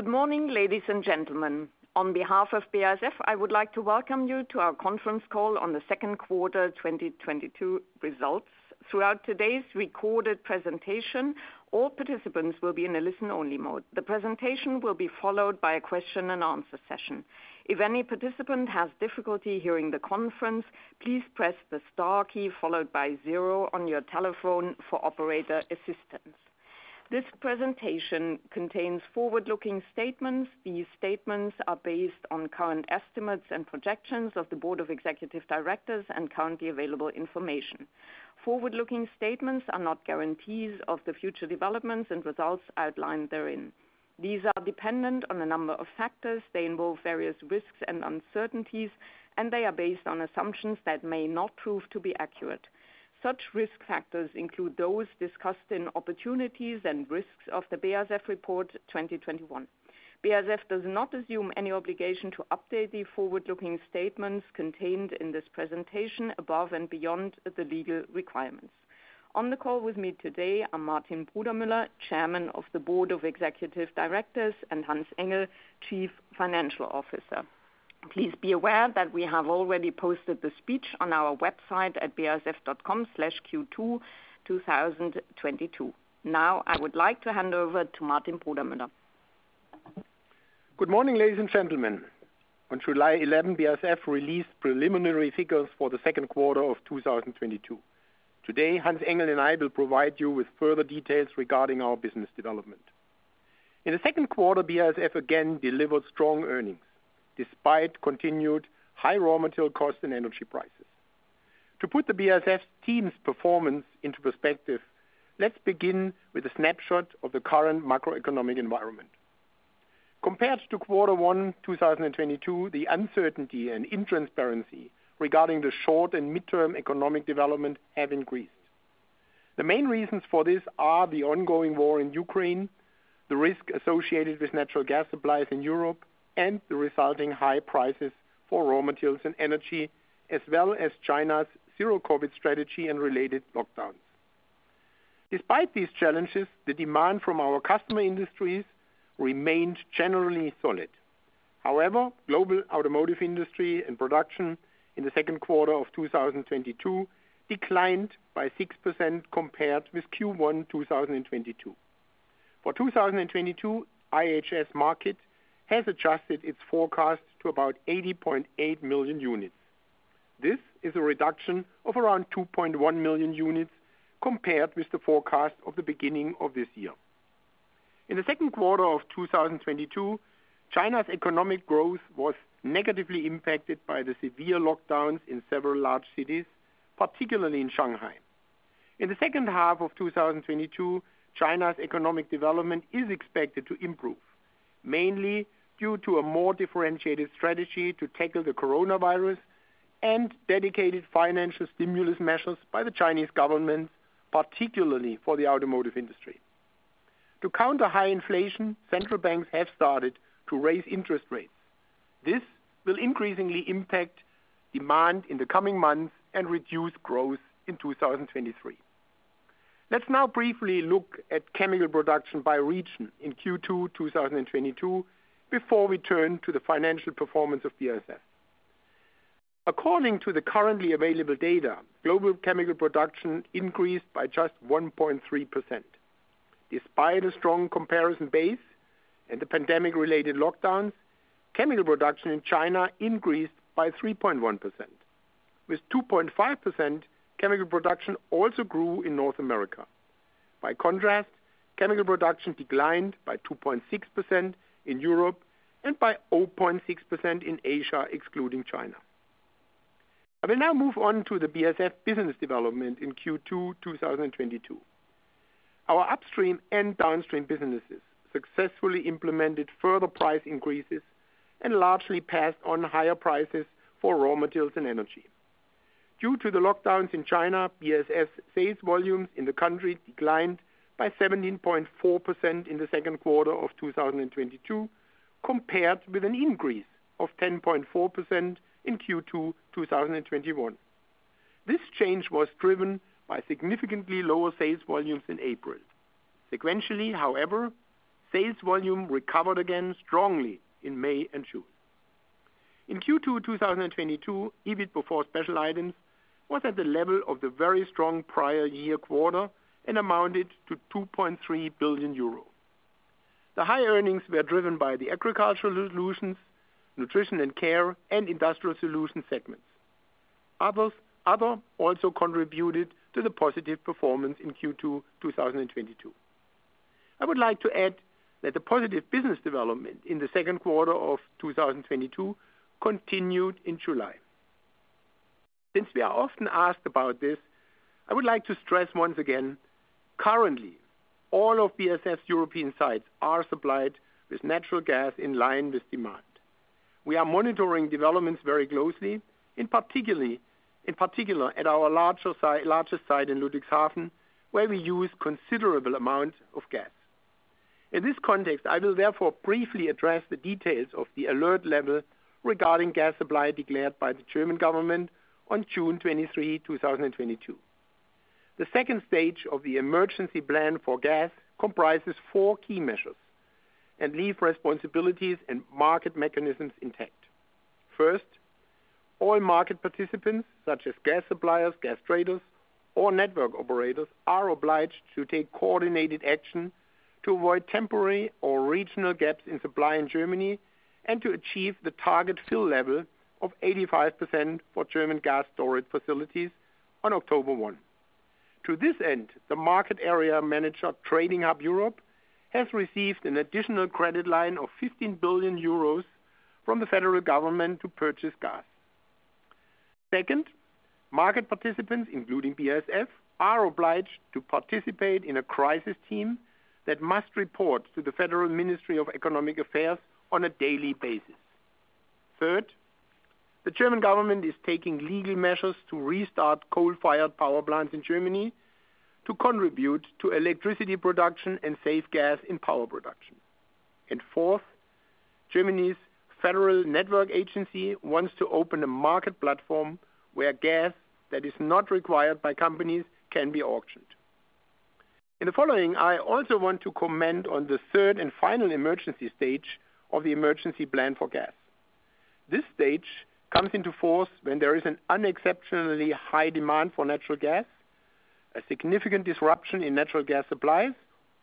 Good morning, ladies and gentlemen. On behalf of BASF, I would like to welcome you to our conference call on the Q2 2022 results. Throughout today's recorded presentation, all participants will be in a listen-only mode. The presentation will be followed by a question-and-answer session. If any participant has difficulty hearing the conference, please press the star key followed by zero on your telephone for operator assistance. This presentation contains forward-looking statements. These statements are based on current estimates and projections of the Board of Executive Directors and currently available information. Forward-looking statements are not guarantees of the future developments and results outlined therein. These are dependent on a number of factors. They involve various risks and uncertainties, and they are based on assumptions that may not prove to be accurate. Such risk factors include those discussed in Opportunities and Risks of the BASF Report 2021. BASF does not assume any obligation to update the forward-looking statements contained in this presentation above and beyond the legal requirements. On the call with me today are Martin Brudermüller, Chairman of the Board of Executive Directors, and Hans Engel, Chief Financial Officer. Please be aware that we have already posted the speech on our website at basf.com/Q2_2022. Now, I would like to hand over to Martin Brudermüller. Good morning, ladies and gentlemen. On July 11, BASF released preliminary figures for the Q2 of 2022. Today, Hans Engel and I will provide you with further details regarding our business development. In the Q2, BASF again delivered strong earnings despite continued high raw material costs and energy prices. To put the BASF team's performance into perspective, let's begin with a snapshot of the current macroeconomic environment. Compared to quarter one, 2022, the uncertainty and intransparency regarding the short and midterm economic development have increased. The main reasons for this are the ongoing war in Ukraine, the risk associated with natural gas supplies in Europe, and the resulting high prices for raw materials and energy, as well as China's Zero-COVID strategy and related lockdowns. Despite these challenges, the demand from our customer industries remained generally solid. Global automotive industry and production in the Q2 of 2022 declined by 6% compared with Q1 2022. For 2022, IHS Markit has adjusted its forecast to about 80.8 million units. This is a reduction of around 2.1 million units compared with the forecast of the beginning of this year. In the Q2 of 2022, China's economic growth was negatively impacted by the severe lockdowns in several large cities, particularly in Shanghai. In the second half of 2022, China's economic development is expected to improve, mainly due to a more differentiated strategy to tackle the coronavirus and dedicated financial stimulus measures by the Chinese government, particularly for the automotive industry. To counter high inflation, central banks have started to raise interest rates. This will increasingly impact demand in the coming months and reduce growth in 2023. Let's now briefly look at chemical production by region in Q2 2022, before we turn to the financial performance of BASF. According to the currently available data, global chemical production increased by just 1.3%. Despite a strong comparison base and the pandemic-related lockdowns, chemical production in China increased by 3.1%. With 2.5%, chemical production also grew in North America. By contrast, chemical production declined by 2.6% in Europe and by 0.6% in Asia, excluding China. I will now move on to the BASF business development in Q2 2022. Our upstream and downstream businesses successfully implemented further price increases and largely passed on higher prices for raw materials and energy. Due to the lockdowns in China, BASF sales volumes in the country declined by 17.4% in the Q2 of 2022, compared with an increase of 10.4% in Q2 2021. This change was driven by significantly lower sales volumes in April. Sequentially, however, sales volume recovered again strongly in May and June. In Q2 2022, EBIT before special items was at the level of the very strong prior year quarter and amounted to 2.3 billion euro. The high earnings were driven by the Agricultural Solutions, Nutrition & Care, and Industrial Solutions segments. Other also contributed to the positive performance in Q2 2022. I would like to add that the positive business development in the Q2 of 2022 continued in July. Since we are often asked about this, I would like to stress once again, currently, all of BASF's European sites are supplied with natural gas in line with demand. We are monitoring developments very closely, in particular at our larger site in Ludwigshafen, where we use considerable amounts of gas. In this context, I will therefore briefly address the details of the alert level regarding gas supply declared by the German government on June 23, 2022. The second stage of the emergency plan for gas comprises four key measures and leave responsibilities and market mechanisms intact. First, all market participants, such as gas suppliers, gas traders, or network operators, are obliged to take coordinated action to avoid temporary or regional gaps in supply in Germany and to achieve the target fill level of 85% for German gas storage facilities on October 1. To this end, the market area manager of Trading Hub Europe has received an additional credit line of 15 billion euros from the federal government to purchase gas. Second, market participants, including BASF, are obliged to participate in a crisis team that must report to the Federal Ministry of Economic Affairs on a daily basis. Third, the German government is taking legal measures to restart coal-fired power plants in Germany to contribute to electricity production and save gas in power production. Fourth, Germany's Federal Network Agency wants to open a market platform where gas that is not required by companies can be auctioned. In the following, I also want to comment on the third and final emergency stage of the emergency plan for gas. This stage comes into force when there is an unexceptionally high demand for natural gas, a significant disruption in natural gas supplies,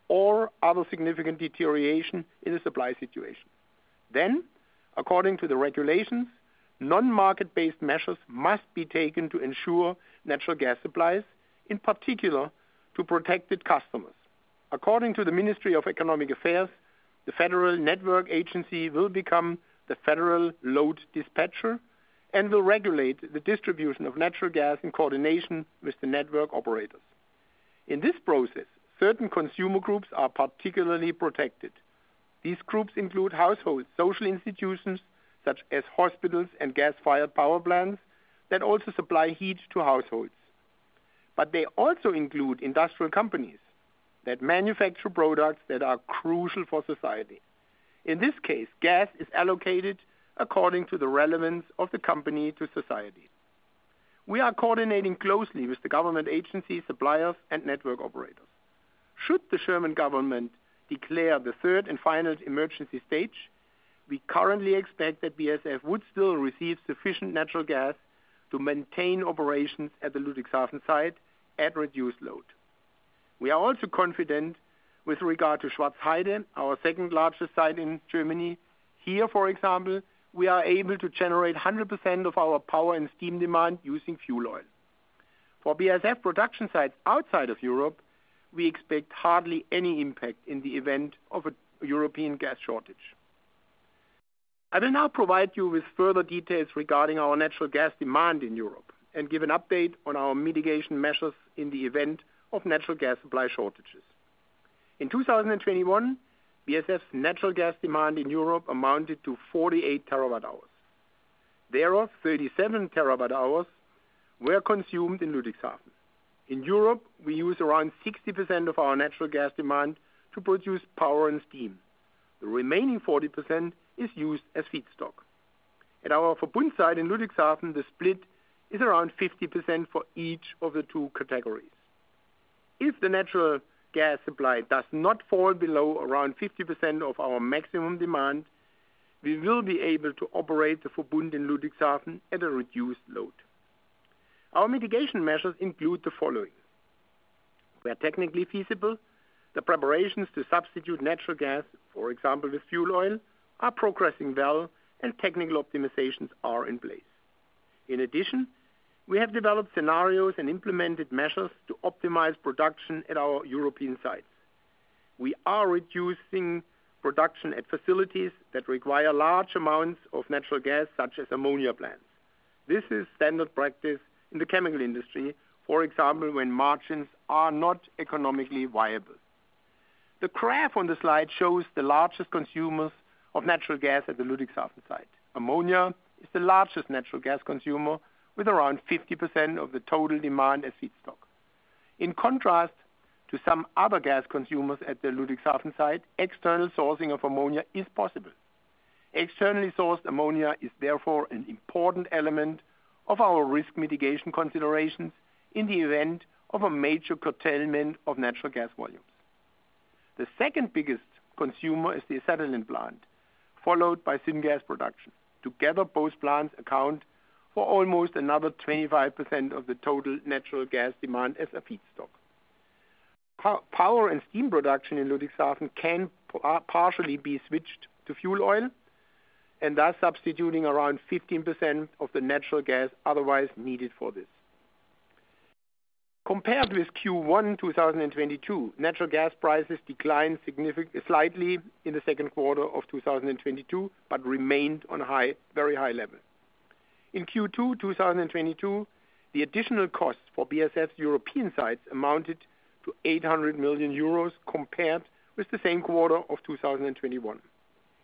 or other significant deterioration in the supply situation. According to the regulations, non-market-based measures must be taken to ensure natural gas supplies, in particular, to protect its customers. According to the Ministry of Economic Affairs, the Federal Network Agency will become the federal load dispatcher and will regulate the distribution of natural gas in coordination with the network operators. In this process, certain consumer groups are particularly protected. These groups include households, social institutions, such as hospitals and gas-fired power plants that also supply heat to households. They also include industrial companies that manufacture products that are crucial for society. In this case, gas is allocated according to the relevance of the company to society. We are coordinating closely with the government agency, suppliers, and network operators. Should the German government declare the third and final emergency stage, we currently expect that BASF would still receive sufficient natural gas to maintain operations at the Ludwigshafen site at reduced load. We are also confident with regard to Schwarzheide, our second largest site in Germany. Here, for example, we are able to generate 100% of our power and steam demand using fuel oil. For BASF production sites outside of Europe, we expect hardly any impact in the event of a European gas shortage. I will now provide you with further details regarding our natural gas demand in Europe and give an update on our mitigation measures in the event of natural gas supply shortages. In 2021, BASF's natural gas demand in Europe amounted to 48 terawatt-hours. Thereof, 37 terawatt-hours were consumed in Ludwigshafen. In Europe, we use around 60% of our natural gas demand to produce power and steam. The remaining 40% is used as feedstock. At our Verbund site in Ludwigshafen, the split is around 50% for each of the two categories. If the natural gas supply does not fall below around 50% of our maximum demand, we will be able to operate the Verbund in Ludwigshafen at a reduced load. Our mitigation measures include the following. Where technically feasible, the preparations to substitute natural gas, for example, with fuel oil, are progressing well and technical optimizations are in place. In addition, we have developed scenarios and implemented measures to optimize production at our European sites. We are reducing production at facilities that require large amounts of natural gas, such as ammonia plants. This is standard practice in the chemical industry, for example, when margins are not economically viable. The graph on the slide shows the largest consumers of natural gas at the Ludwigshafen site. Ammonia is the largest natural gas consumer, with around 50% of the total demand as feedstock. In contrast to some other gas consumers at the Ludwigshafen site, external sourcing of ammonia is possible. Externally sourced ammonia is therefore an important element of our risk mitigation considerations in the event of a major curtailment of natural gas volumes. The second biggest consumer is the acetylene plant, followed by syngas production. Together, both plants account for almost another 25% of the total natural gas demand as a feedstock. Power and steam production in Ludwigshafen can partially be switched to fuel oil, and thus substituting around 15% of the natural gas otherwise needed for this. Compared with Q1 2022, natural gas prices declined slightly in the Q2 of 2022, but remained on a very high level. In Q2 2022, the additional cost for BASF's European sites amounted to 800 million euros compared with the same quarter of 2021.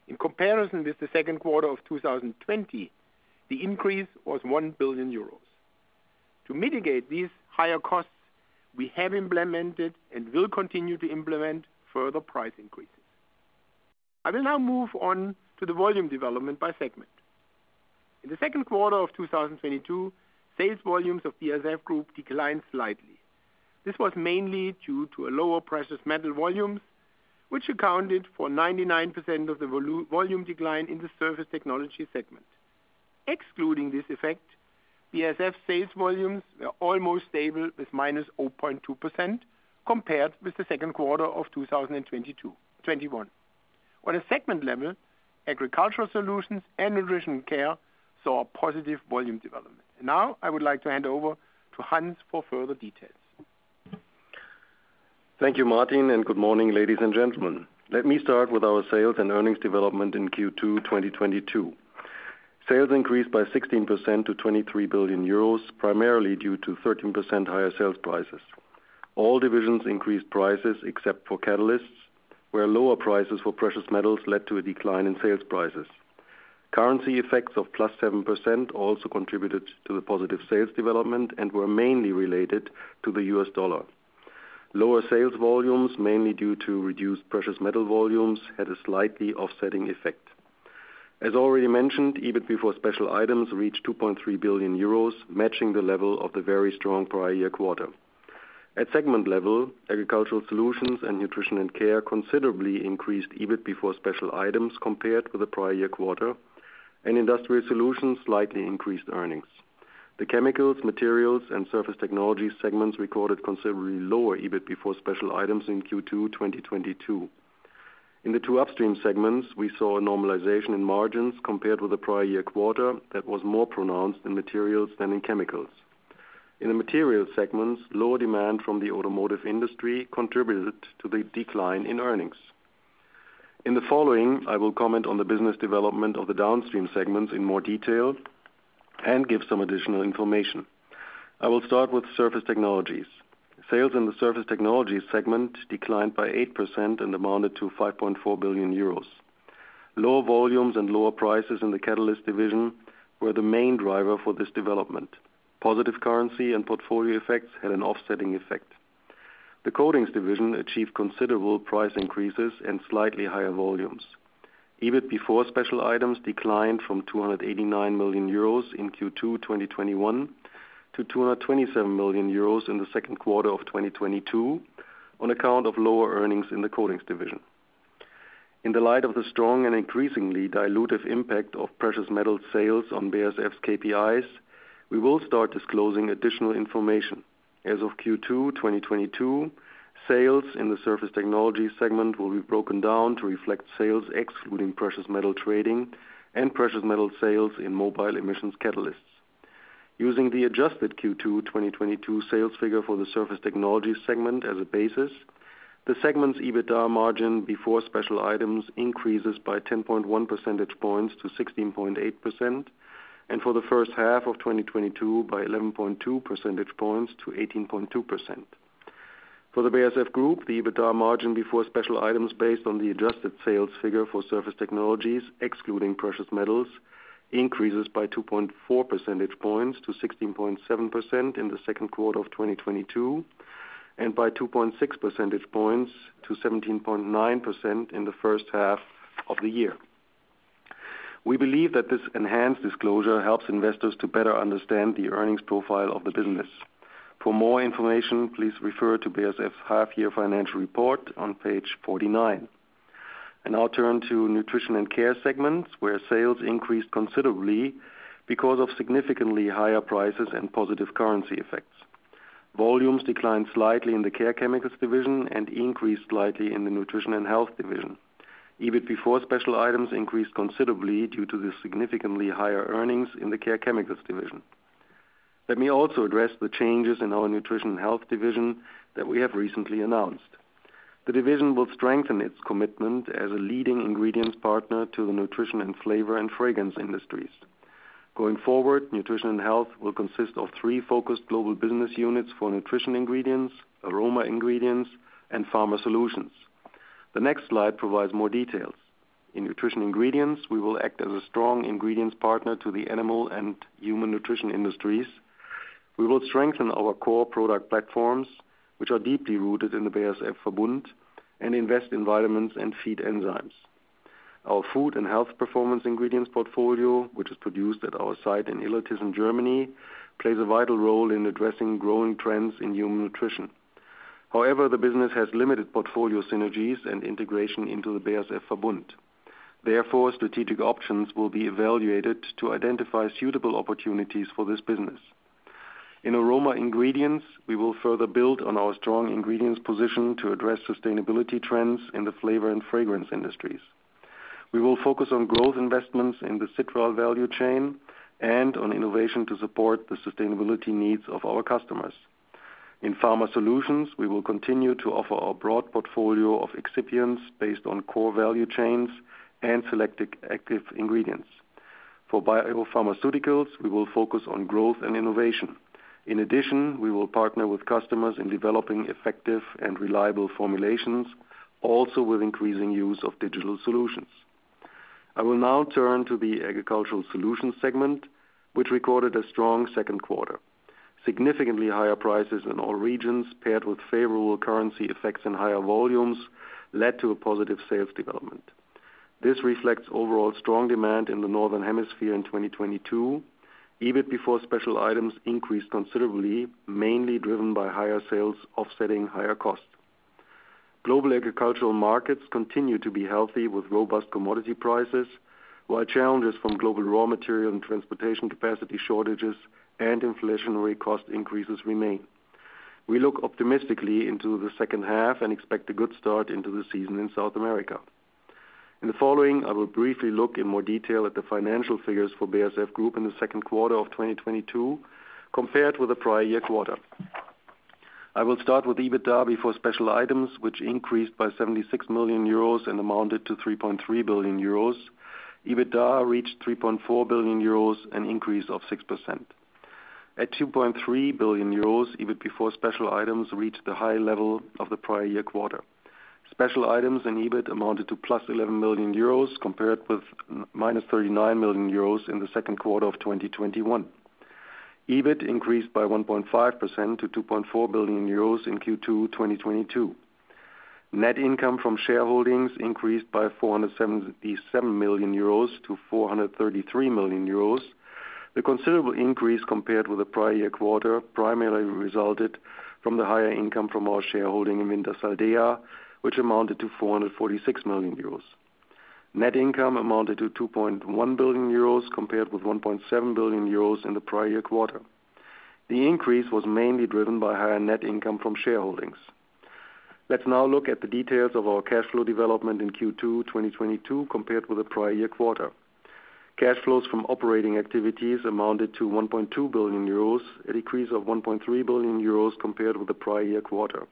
In comparison with the Q2 of 2020, the increase was 1 billion euros. To mitigate these higher costs, we have implemented and will continue to implement further price increases. I will now move on to the volume development by segment. In the Q2 of 2022, sales volumes of BASF Group declined slightly. This was mainly due to a lower precious metal volume, which accounted for 99% of the volume decline in the Surface Technologies segment. Excluding this effect, BASF sales volumes were almost stable with -0.2% compared with the Q2 of 2021. On a segment level, Agricultural Solutions and Nutrition & Care saw a positive volume development. Now, I would like to hand over to Hans for further details. Thank you, Martin, and good morning, ladies and gentlemen. Let me start with our sales and earnings development in Q2 2022. Sales increased by 16% to 23 billion euros, primarily due to 13% higher sales prices. All divisions increased prices except for Catalysts, where lower prices for precious metals led to a decline in sales prices. Currency effects of +7% also contributed to the positive sales development and were mainly related to the US dollar. Lower sales volumes, mainly due to reduced precious metal volumes, had a slightly offsetting effect. As already mentioned, EBIT before special items reached 2.3 billion euros, matching the level of the very strong prior year quarter. At segment level, Agricultural Solutions and Nutrition & Care considerably increased EBIT before special items compared with the prior year quarter, and Industrial Solutions slightly increased earnings. The Chemicals, Materials, and Surface Technologies segments recorded considerably lower EBIT before special items in Q2 2022. In the two upstream segments, we saw a normalization in margins compared with the prior year quarter that was more pronounced in Materials than in Chemicals. In the Materials segments, lower demand from the automotive industry contributed to the decline in earnings. In the following, I will comment on the business development of the downstream segments in more detail and give some additional information. I will start with Surface Technologies. Sales in the Surface Technologies segment declined by 8% and amounted to 5.4 billion euros. Lower volumes and lower prices in the Catalysts division were the main driver for this development. Positive currency and portfolio effects had an offsetting effect. The Coatings division achieved considerable price increases and slightly higher volumes. EBIT before special items declined from 289 million euros in Q2 2021 to 227 million euros in the Q2 of 2022 on account of lower earnings in the Coatings division. In the light of the strong and increasingly dilutive impact of precious metal sales on BASF's KPIs, we will start disclosing additional information. As of Q2 2022, sales in the Surface Technologies segment will be broken down to reflect sales excluding precious metal trading and precious metal sales in mobile emissions catalysts. Using the adjusted Q2 2022 sales figure for the Surface Technologies segment as a basis, the segment's EBITDA margin before special items increases by 10.1 percentage points to 16.8%, and for the first half of 2022 by 11.2 percentage points to 18.2%. For the BASF Group, the EBITDA margin before special items based on the adjusted sales figure for Surface Technologies excluding precious metals increases by 2.4 percentage points to 16.7% in the Q2 of 2022, and by 2.6 percentage points to 17.9% in the first half of the year. We believe that this enhanced disclosure helps investors to better understand the earnings profile of the business. For more information, please refer to BASF's half year financial report on page 49. I now turn to Nutrition & Care segments, where sales increased considerably because of significantly higher prices and positive currency effects. Volumes declined slightly in the Care Chemicals division and increased slightly in the Nutrition and Health division. EBIT before special items increased considerably due to the significantly higher earnings in the Care Chemicals division. Let me also address the changes in our Nutrition & Health division that we have recently announced. The division will strengthen its commitment as a leading ingredients partner to the nutrition and flavor and fragrance industries. Going forward, Nutrition & Health will consist of three focused global business units for Nutrition Ingredients, Aroma Ingredients, and Pharma Solutions. The next slide provides more details. In Nutrition Ingredients, we will act as a strong ingredients partner to the animal and human nutrition industries. We will strengthen our core product platforms, which are deeply rooted in the BASF Verbund, and invest in vitamins and feed enzymes. Our food and health performance ingredients portfolio, which is produced at our site in Illertissen, Germany, plays a vital role in addressing growing trends in human nutrition. However, the business has limited portfolio synergies and integration into the BASF Verbund. Therefore, strategic options will be evaluated to identify suitable opportunities for this business. In Aroma Ingredients, we will further build on our strong ingredients position to address sustainability trends in the flavor and fragrance industries. We will focus on growth investments in the citral value chain and on innovation to support the sustainability needs of our customers. In Pharma Solutions, we will continue to offer our broad portfolio of excipients based on core value chains and selected active ingredients. For biopharmaceuticals, we will focus on growth and innovation. In addition, we will partner with customers in developing effective and reliable formulations, also with increasing use of digital solutions. I will now turn to the Agricultural Solutions segment, which recorded a strong Q2. Significantly higher prices in all regions, paired with favorable currency effects and higher volumes led to a positive sales development. This reflects overall strong demand in the northern hemisphere in 2022. EBIT before special items increased considerably, mainly driven by higher sales offsetting higher costs. Global agricultural markets continue to be healthy with robust commodity prices, while challenges from global raw material and transportation capacity shortages and inflationary cost increases remain. We look optimistically into the second half and expect a good start into the season in South America. In the following, I will briefly look in more detail at the financial figures for BASF Group in the Q2 of 2022 compared with the prior year quarter. I will start with EBITDA before special items, which increased by 76 million euros and amounted to 3.3 billion euros. EBITDA reached 3.4 billion euros, an increase of 6%. At 2.3 billion euros, EBIT before special items reached the high level of the prior year quarter. Special items in EBIT amounted to +11 million euros, compared with minus 39 million euros in the Q2 of 2021. EBIT increased by 1.5% to 2.4 billion euros in Q2 2022. Net income from shareholdings increased by 477 million euros to 433 million euros. The considerable increase compared with the prior year quarter primarily resulted from the higher income from our shareholding in Wintershall Dea, which amounted to 446 million euros. Net income amounted to 2.1 billion euros, compared with 1.7 billion euros in the prior year quarter. The increase was mainly driven by higher net income from shareholdings. Let's now look at the details of our cash flow development in Q2 2022 compared with the prior year quarter. Cash flows from operating activities amounted to 1.2 billion euros, a decrease of 1.3 billion euros compared with the prior year quarter.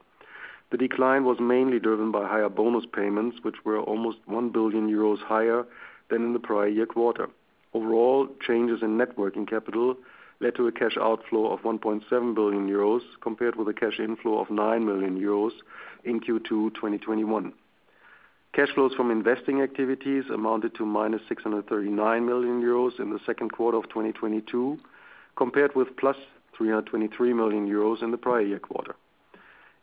The decline was mainly driven by higher bonus payments, which were almost 1 billion euros higher than in the prior year quarter. Overall, changes in net working capital led to a cash outflow of 1.7 billion euros, compared with a cash inflow of 9 million euros in Q2 2021. Cash flows from investing activities amounted to -639 million euros in the Q2 of 2022, compared with +323 million euros in the prior year quarter.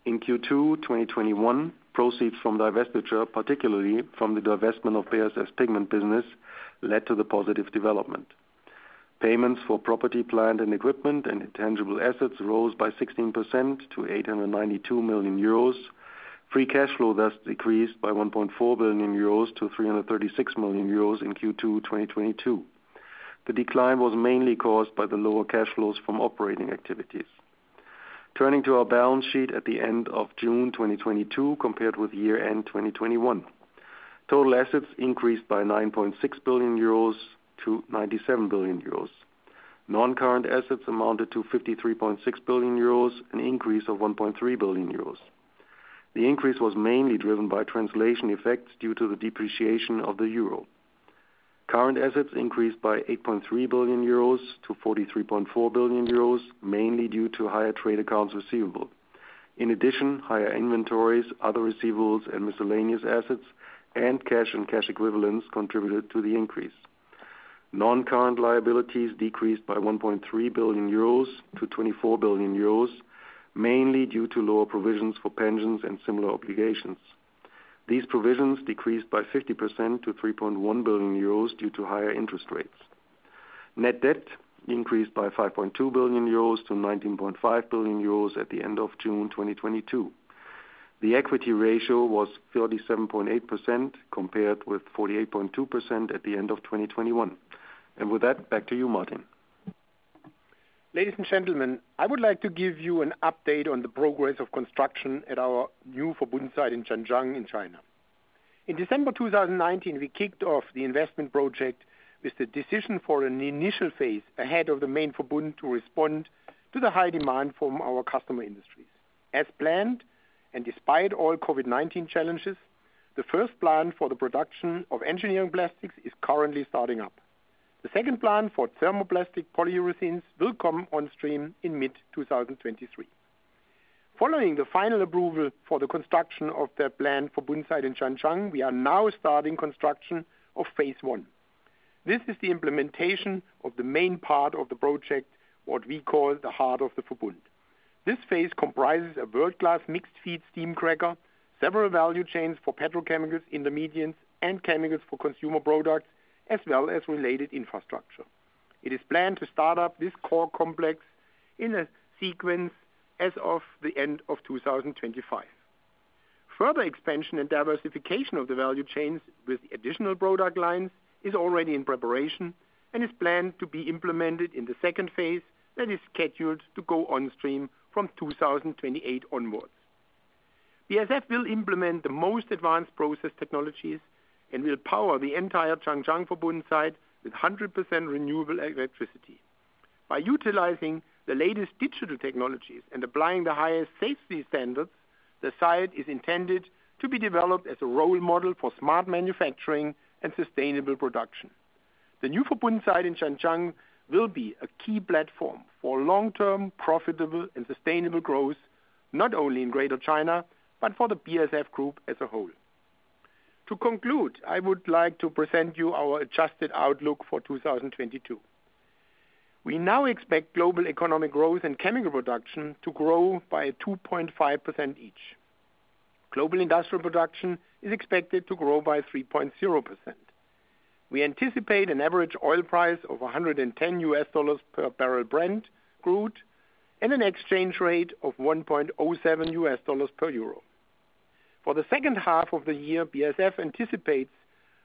In Q2 2021, proceeds from divestiture, particularly from the divestment of BASF's pigment business, led to the positive development. Payments for property, plant, and equipment and intangible assets rose by 16% to 892 million euros. Free cash flow thus decreased by 1.4 billion euros to 336 million euros in Q2 2022. The decline was mainly caused by the lower cash flows from operating activities. Turning to our balance sheet at the end of June 2022 compared with year-end 2021. Total assets increased by 9.6 billion euros to 97 billion euros. Non-current assets amounted to 53.6 billion euros, an increase of 1.3 billion euros. The increase was mainly driven by translation effects due to the depreciation of the euro. Current assets increased by 8.3 billion euros to 43.4 billion euros, mainly due to higher trade accounts receivable. In addition, higher inventories, other receivables and miscellaneous assets and cash and cash equivalents contributed to the increase. Non-current liabilities decreased by 1.3 billion euros to 24 billion euros, mainly due to lower provisions for pensions and similar obligations. These provisions decreased by 50% to 3.1 billion euros due to higher interest rates. Net debt increased by 5.2 billion euros to 19.5 billion euros at the end of June 2022. The equity ratio was 37.8% compared with 48.2% at the end of 2021. With that, back to you, Martin. Ladies and gentlemen, I would like to give you an update on the progress of construction at our new Verbund site in Zhanjiang in China. In December 2019, we kicked off the investment project with the decision for an initial phase ahead of the main Verbund to respond to the high demand from our customer industries. As planned, and despite all COVID-19 challenges, the first plant for the production of engineering plastics is currently starting up. The second plant for thermoplastic polyurethanes will come on stream in mid 2023. Following the final approval for the construction of the planned Verbund site in Zhanjiang, we are now starting construction of phase I. This is the implementation of the main part of the project, what we call the heart of the Verbund. This phase comprises a world-class mixed feed steam cracker, several value chains for petrochemicals, intermediates, and chemicals for consumer products, as well as related infrastructure. It is planned to start up this core complex in a sequence as of the end of 2025. Further expansion and diversification of the value chains with additional product lines is already in preparation and is planned to be implemented in the second phase that is scheduled to go on stream from 2028 onwards. BASF will implement the most advanced process technologies and will power the entire Zhanjiang Verbund site with 100% renewable electricity. By utilizing the latest digital technologies and applying the highest safety standards, the site is intended to be developed as a role model for smart manufacturing and sustainable production. The new Verbund site in Zhanjiang will be a key platform for long-term profitable and sustainable growth, not only in Greater China, but for the BASF Group as a whole. To conclude, I would like to present you our adjusted outlook for 2022. We now expect global economic growth and chemical production to grow by 2.5% each. Global industrial production is expected to grow by 3.0%. We anticipate an average oil price of $110 per barrel Brent crude, and an exchange rate of $1.07 per euro. For the second half of the year, BASF anticipates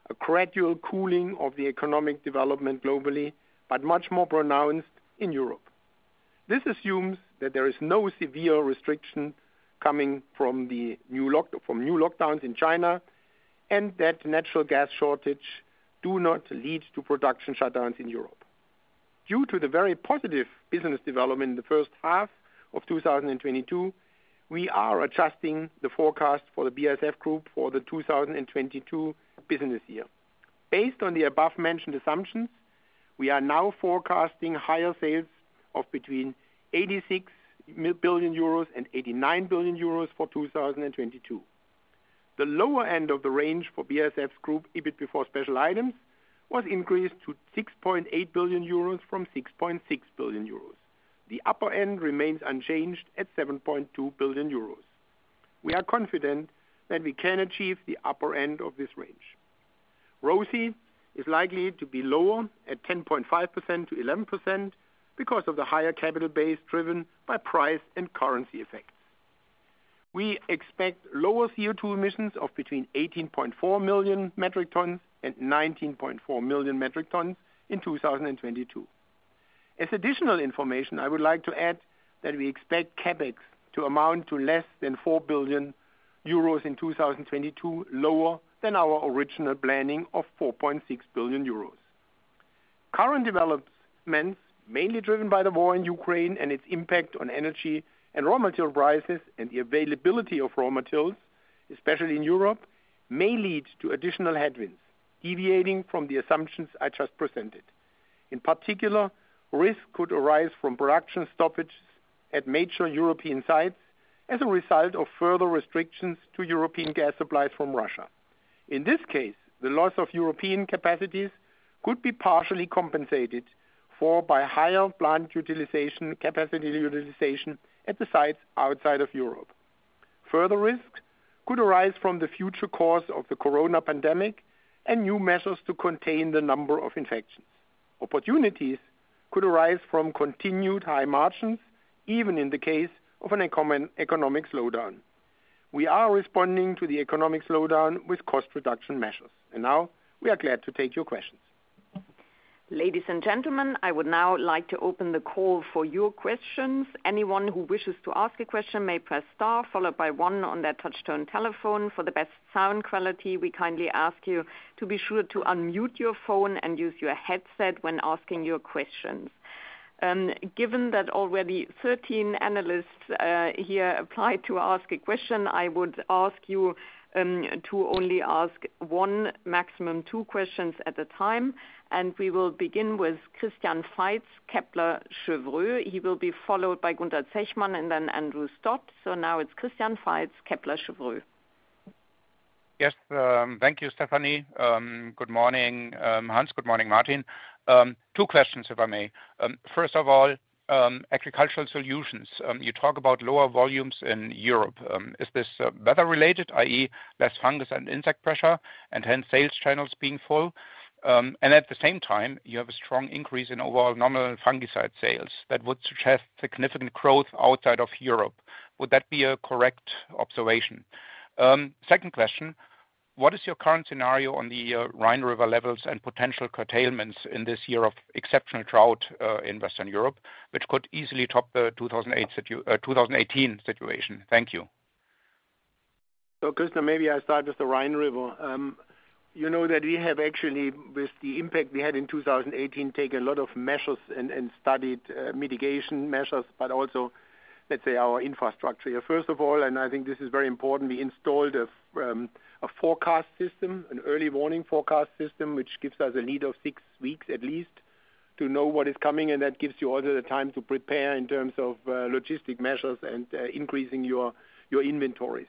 a gradual cooling of the economic development globally, but much more pronounced in Europe. This assumes that there is no severe restriction coming from new lockdowns in China, and that natural gas shortages do not lead to production shutdowns in Europe. Due to the very positive business development in the first half of 2022, we are adjusting the forecast for the BASF Group for the 2022 business year. Based on the above-mentioned assumptions, we are now forecasting higher sales of between 86 billion euros and 89 billion euros for 2022. The lower end of the range for BASF Group EBIT before special items was increased to 6.8 billion euros from 6.6 billion euros. The upper end remains unchanged at 7.2 billion euros. We are confident that we can achieve the upper end of this range. ROCE is likely to be lower at 10.5%-11% because of the higher capital base driven by price and currency effects. We expect lower CO₂ emissions of between 18.4 million metric tons and 19.4 million metric tons in 2022. As additional information, I would like to add that we expect CapEx to amount to less than 4 billion euros in 2022, lower than our original planning of 4.6 billion euros. Current developments, mainly driven by the war in Ukraine and its impact on energy and raw material prices and the availability of raw materials, especially in Europe, may lead to additional headwinds deviating from the assumptions I just presented. In particular, risk could arise from production stoppage at major European sites as a result of further restrictions to European gas supplies from Russia. In this case, the loss of European capacities could be partially compensated for by higher plant utilization, capacity utilization at the sites outside of Europe. Further risks could arise from the future course of the corona pandemic and new measures to contain the number of infections. Opportunities could arise from continued high margins, even in the case of an economic slowdown. We are responding to the economic slowdown with cost reduction measures. Now we are glad to take your questions. Ladies and gentlemen, I would now like to open the call for your questions. Anyone who wishes to ask a question may press star followed by one on their touchtone telephone. For the best sound quality, we kindly ask you to be sure to unmute your phone and use your headset when asking your questions. Given that already 13 analysts here applied to ask a question, I would ask you to only ask one, maximum two questions at a time. We will begin with Christian Faitz, Kepler Cheuvreux. He will be followed by Gunther Zechmann, and then Andrew Stott. Now it's Christian Faitz, Kepler Cheuvreux. Yes, thank you, Stefanie. Good morning, Hans. Good morning, Martin. Two questions, if I may. First of all, Agricultural Solutions. You talk about lower volumes in Europe. Is this weather-related, i.e., less fungus and insect pressure and hence sales channels being full? At the same time, you have a strong increase in overall nominal fungicide sales that would suggest significant growth outside of Europe. Would that be a correct observation? Second question: What is your current scenario on the Rhine River levels and potential curtailments in this year of exceptional drought in Western Europe, which could easily top the 2018 situation? Thank you. Christian, maybe I start with the Rhine River. You know that we have actually, with the impact we had in 2018, taken a lot of measures and studied mitigation measures, but also, let's say, our infrastructure. First of all, and I think this is very important, we installed a forecast system, an early warning forecast system, which gives us a lead of 6 weeks at least to know what is coming, and that gives you also the time to prepare in terms of logistic measures and increasing your inventories.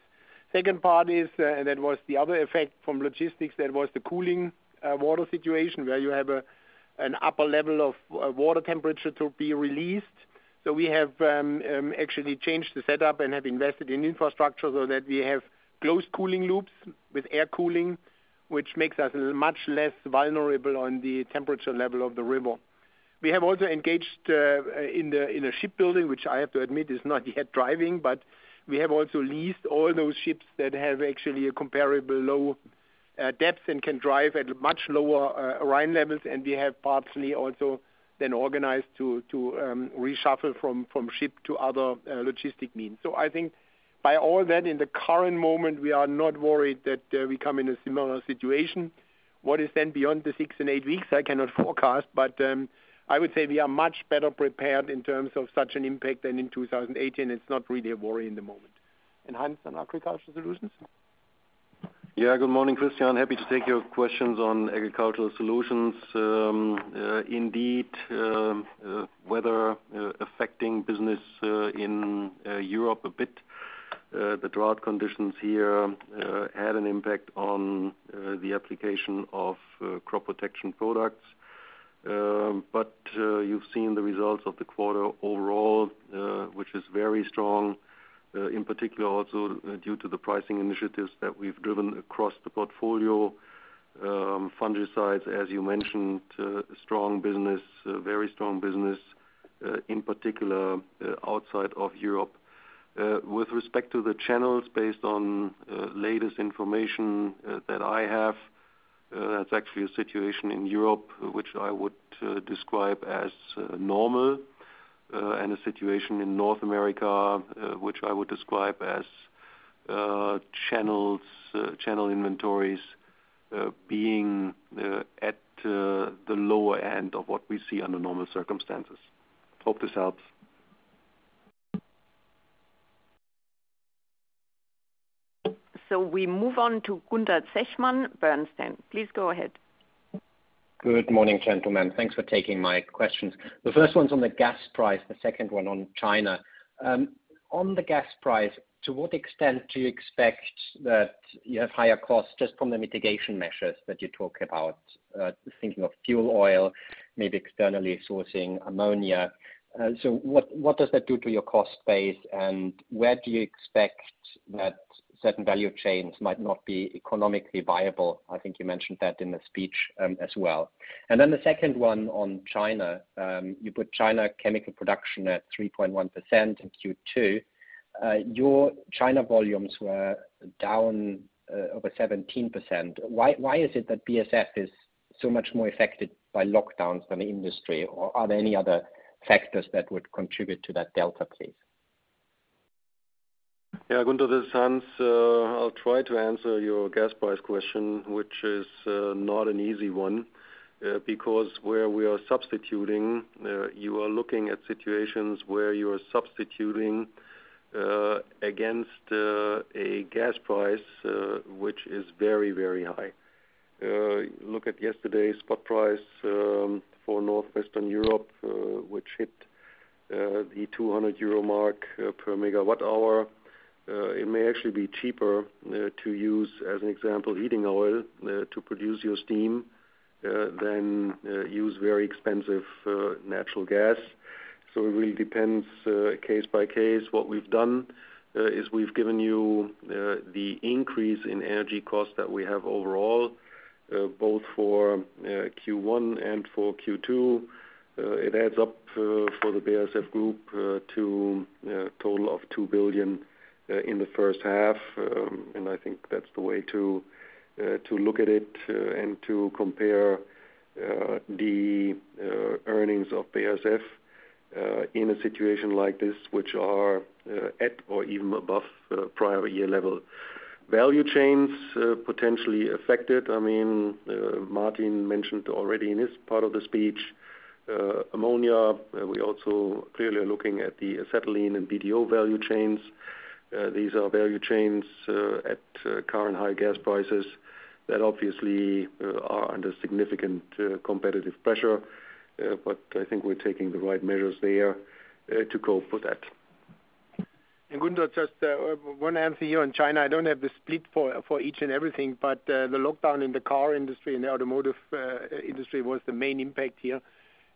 Second part is, that was the other effect from logistics. That was the cooling water situation where you have an upper level of water temperature to be released. We have actually changed the setup and have invested in infrastructure so that we have closed cooling loops with air cooling, which makes us much less vulnerable on the temperature level of the river. We have also engaged in the shipbuilding, which I have to admit is not yet driving. We have also leased all those ships that have actually a comparably low depth and can drive at much lower Rhine levels. We have partially also then organized to reshuffle from ship to other logistical means. I think by all that in the current moment, we are not worried that we come in a similar situation. What is then beyond the 6 and 8 weeks I cannot forecast, but I would say we are much better prepared in terms of such an impact than in 2018. It's not really a worry in the moment. Enhance on Agricultural Solutions? Good morning, Christian. Happy to take your questions on Agricultural Solutions. Indeed, weather affecting business in Europe a bit. The drought conditions here had an impact on the application of crop protection products. You've seen the results of the quarter overall, which is very strong, in particular also due to the pricing initiatives that we've driven across the portfolio. Fungicides, as you mentioned, strong business, a very strong business, in particular outside of Europe. With respect to the channels based on latest information that I have, that's actually a situation in Europe which I would describe as normal, and a situation in North America which I would describe as channel inventories being at the lower end of what we see under normal circumstances. Hope this helps. We move on to Gunther Zechmann, Bernstein. Please go ahead. Good morning, gentlemen. Thanks for taking my questions. The first one's on the gas price, the second one on China. On the gas price, to what extent do you expect that you have higher costs just from the mitigation measures that you talk about, thinking of fuel oil, maybe externally sourcing ammonia. So what does that do to your cost base, and where do you expect that certain value chains might not be economically viable? I think you mentioned that in the speech, as well. Then the second one on China, you put China chemical production at 3.1% in Q2. Your China volumes were down, over 17%. Why is it that BASF is so much more affected by lockdowns than the industry or are there any other factors that would contribute to that delta please? Yeah. Gunther Zechmann, this is Hans-Ulrich Engel. I'll try to answer your gas price question, which is not an easy one, because where we are substituting, you are looking at situations where you are substituting against a gas price, which is very, very high. Look at yesterday's spot price for Northwestern Europe, which hit the 200 euro mark per MWh. It may actually be cheaper to use, as an example, heating oil to produce your steam than use very expensive natural gas. It really depends case by case. What we've done is we've given you the increase in energy costs that we have overall, both for Q1 and for Q2. It adds up for the BASF group to a total of 2 billion in the first half. I think that's the way to look at it and to compare the earnings of BASF in a situation like this, which are at or even above the prior year level. Value chains potentially affected. I mean, Martin mentioned already in his part of the speech, ammonia. We also clearly are looking at the acetylene and BDO value chains. These are value chains at current high gas prices that obviously are under significant competitive pressure. I think we're taking the right measures there to go for that. Gunther, just one answer here on China. I don't have the split for each and everything, but the lockdown in the car industry and the automotive industry was the main impact here.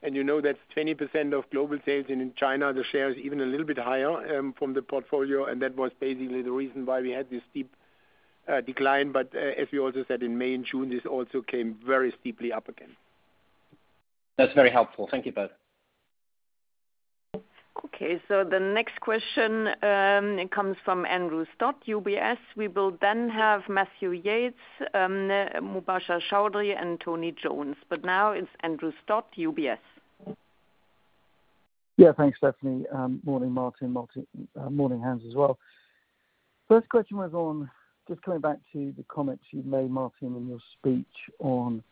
You know that 20% of global sales and in China, the share is even a little bit higher, from the portfolio, and that was basically the reason why we had this steep decline. As we also said in May and June, this also came very steeply up again. That's very helpful. Thank you both. Okay. The next question, it comes from Andrew Stott, UBS. We will then have Matthew Yates, Mubashir Chaudhry and Tony Jones. Now it's Andrew Stott, UBS. Yeah. Thanks, Stefanie. Morning, Martin. Morning, Hans, as well. First question was on just coming back to the comments you made, Martin, in your speech on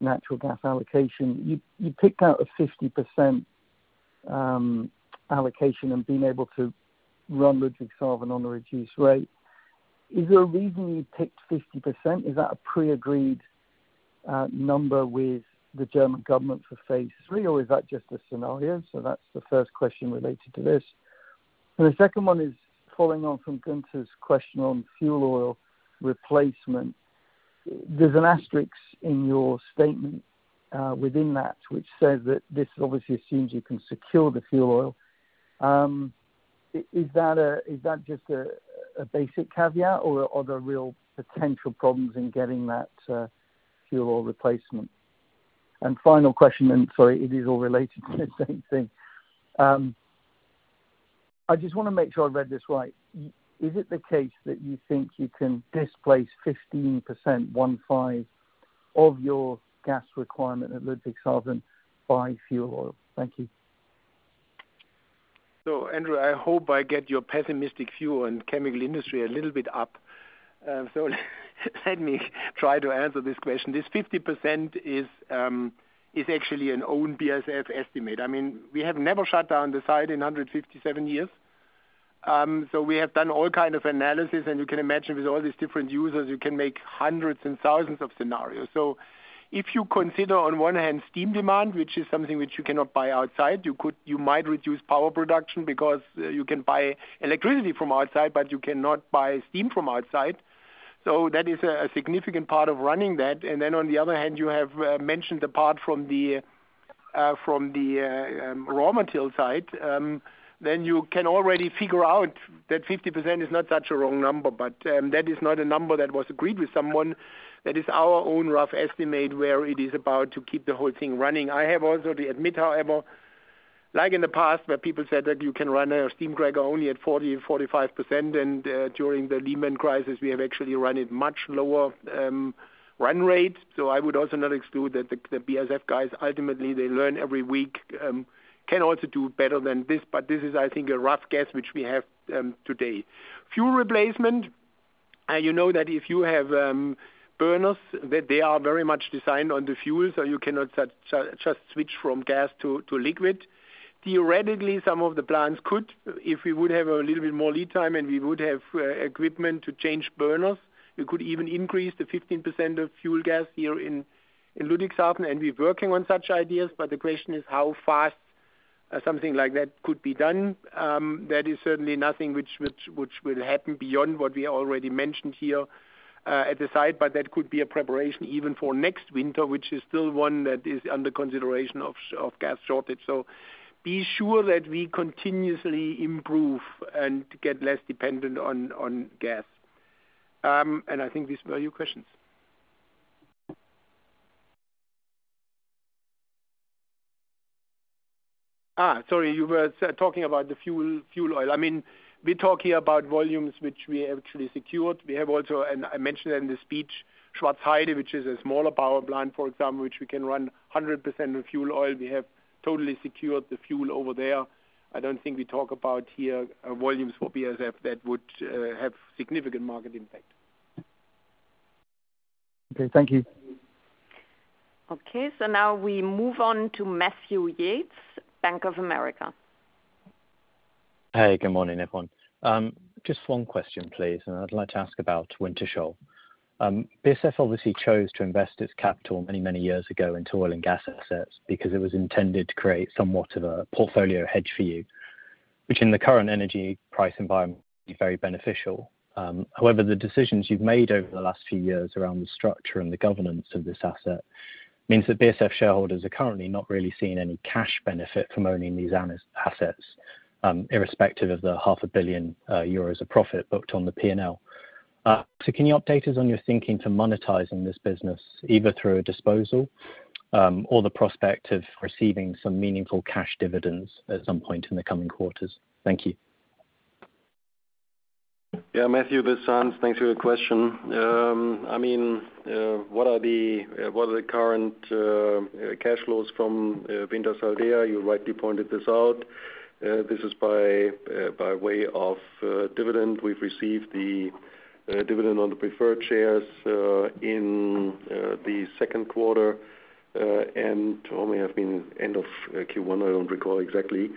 natural gas allocation. You picked out a 50% allocation and being able to run Ludwigshafen on a reduced rate. Is there a reason you picked 50%? Is that a pre-agreed number with the German government for phase III, or is that just a scenario? That's the first question related to this. The second one is following on from Gunther's question on fuel oil replacement. There's an asterisk in your statement within that, which says that this obviously assumes you can secure the fuel oil. Is that just a basic caveat or are there real potential problems in getting that fuel oil replacement? Final question, and sorry, it is all related to the same thing. I just wanna make sure I read this right. Is it the case that you think you can displace 15% of your gas requirement at Ludwigshafen by fuel oil? Thank you. Andrew, I hope I get your pessimistic view on chemical industry a little bit up. Let me try to answer this question. This 50% is actually an own BASF estimate. I mean, we have never shut down the site in 157 years. We have done all kind of analysis, and you can imagine with all these different users, you can make hundreds and thousands of scenarios. If you consider on one hand steam demand, which is something which you cannot buy outside, you might reduce power production because you can buy electricity from outside, but you cannot buy steam from outside. That is a significant part of running that. On the other hand, you have mentioned apart from the raw material side, then you can already figure out that 50% is not such a wrong number, but that is not a number that was agreed with someone. That is our own rough estimate where it is about to keep the whole thing running. I have also to admit, however, like in the past, where people said that you can run a steam cracker only at 40%-45%, and during the Lehman crisis, we have actually run it much lower run rate. I would also not exclude that the BASF guys, ultimately they learn every week, can also do better than this. This is, I think, a rough guess, which we have today. Fuel replacement, you know that if you have burners, that they are very much designed on the fuel, so you cannot just switch from gas to liquid. Theoretically, some of the plants could. If we would have a little bit more lead time and we would have equipment to change burners, we could even increase the 15% of fuel gas here in Ludwigshafen, and we're working on such ideas. The question is how fast something like that could be done. That is certainly nothing which will happen beyond what we already mentioned here at the site. That could be a preparation even for next winter, which is still one that is under consideration of gas shortage. Be sure that we continuously improve and get less dependent on gas. I think these were your questions. Sorry, you were talking about the fuel oil. I mean, we talk here about volumes which we actually secured. We have also, I mentioned in the speech, Schwarzheide, which is a smaller power plant, for example, which we can run 100% of fuel oil. We have totally secured the fuel over there. I don't think we talk about here volumes for BASF that would have significant market impact. Okay. Thank you. Okay. Now we move on to Matthew Yates, Bank of America. Hey, good morning, everyone. Just one question, please, and I'd like to ask about Wintershall. BASF obviously chose to invest its capital many, many years ago into oil and gas assets because it was intended to create somewhat of a portfolio hedge for you, which in the current energy price environment is very beneficial. However, the decisions you've made over the last few years around the structure and the governance of this asset means that BASF shareholders are currently not really seeing any cash benefit from owning these assets, irrespective of the EUR half a billion of profit booked on the P&L. Can you update us on your thinking to monetizing this business, either through a disposal, or the prospect of receiving some meaningful cash dividends at some point in the coming quarters? Thank you. Yeah. Matthew Yates, this is Hans Engel. Thanks for your question. I mean, what are the current cash flows from Wintershall Dea? You rightly pointed this out. This is by way of dividend. We've received the dividend on the preferred shares in the Q2,and or, may have been end of Q1. I don't recall exactly.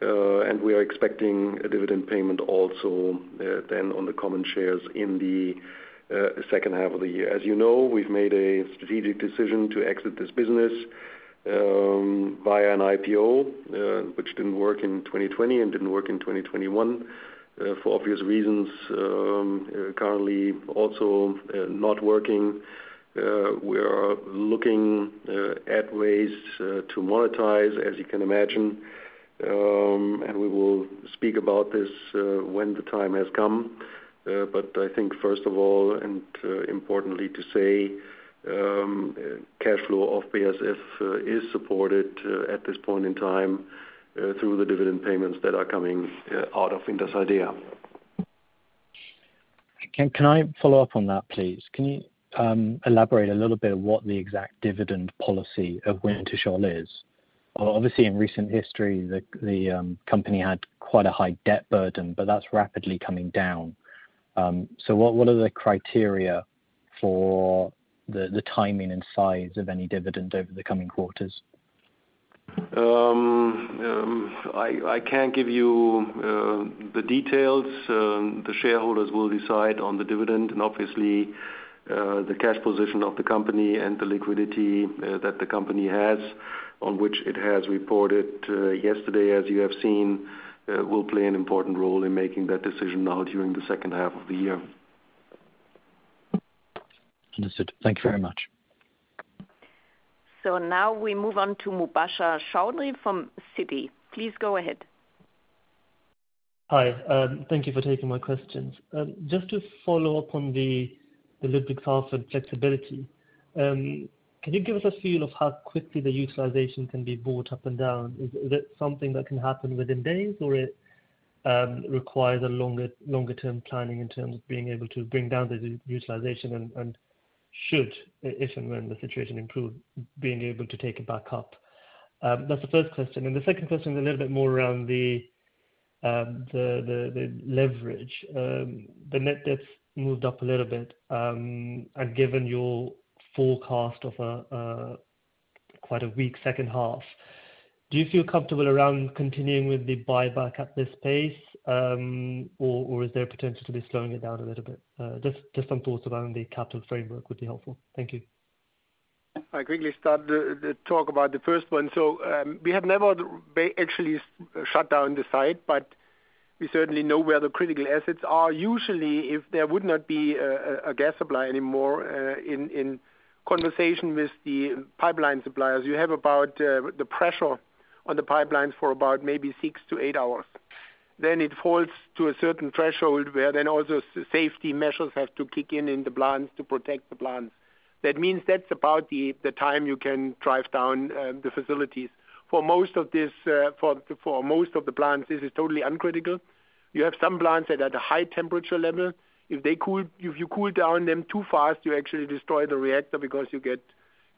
We are expecting a dividend payment also then on the common shares in the second half of the year. As you know, we've made a strategic decision to exit this business via an IPO, which didn't work in 2020 and didn't work in 2021 for obvious reasons. Currently also not working. We are looking at ways to monetize, as you can imagine. We will speak about this when the time has come. I think first of all, importantly to say, cash flow of BASF is supported at this point in time through the dividend payments that are coming out of Wintershall Dea. Can I follow up on that, please? Can you elaborate a little bit what the exact dividend policy of Wintershall is? Obviously, in recent history, the company had quite a high debt burden, but that's rapidly coming down. What are the criteria for the timing and size of any dividend over the coming quarters? I can't give you the details. The shareholders will decide on the dividend and obviously, the cash position of the company and the liquidity that the company has on which it has reported yesterday, as you have seen, will play an important role in making that decision now during the second half of the year. Understood. Thank you very much. Now we move on to Mubashir Chaudhry from Citi. Please go ahead. Hi. Thank you for taking my questions. Just to follow up on the Ludwigshafen flexibility, can you give us a feel of how quickly the utilization can be brought up and down? Is it something that can happen within days or it requires a longer-term planning in terms of being able to bring down the utilization and should if and when the situation improve, being able to take it back up? That's the first question. The second question is a little bit more around the leverage. The net debt's moved up a little bit. Given your forecast of quite a weak second half. Do you feel comfortable around continuing with the buyback at this pace, or is there potential to be slowing it down a little bit? Just some thoughts around the capital framework would be helpful. Thank you. I quickly start the talk about the first one. We have never actually shut down the site, but we certainly know where the critical assets are. Usually, if there would not be a gas supply anymore, in conversation with the pipeline suppliers, you have about the pressure on the pipelines for about maybe 6-8 hours. Then it falls to a certain threshold where then also safety measures have to kick in in the plants to protect the plants. That means that's about the time you can drive down the facilities. For most of this, for most of the plants, this is totally uncritical. You have some plants that are at a high temperature level. If they cool, if you cool down them too fast, you actually destroy the reactor because you get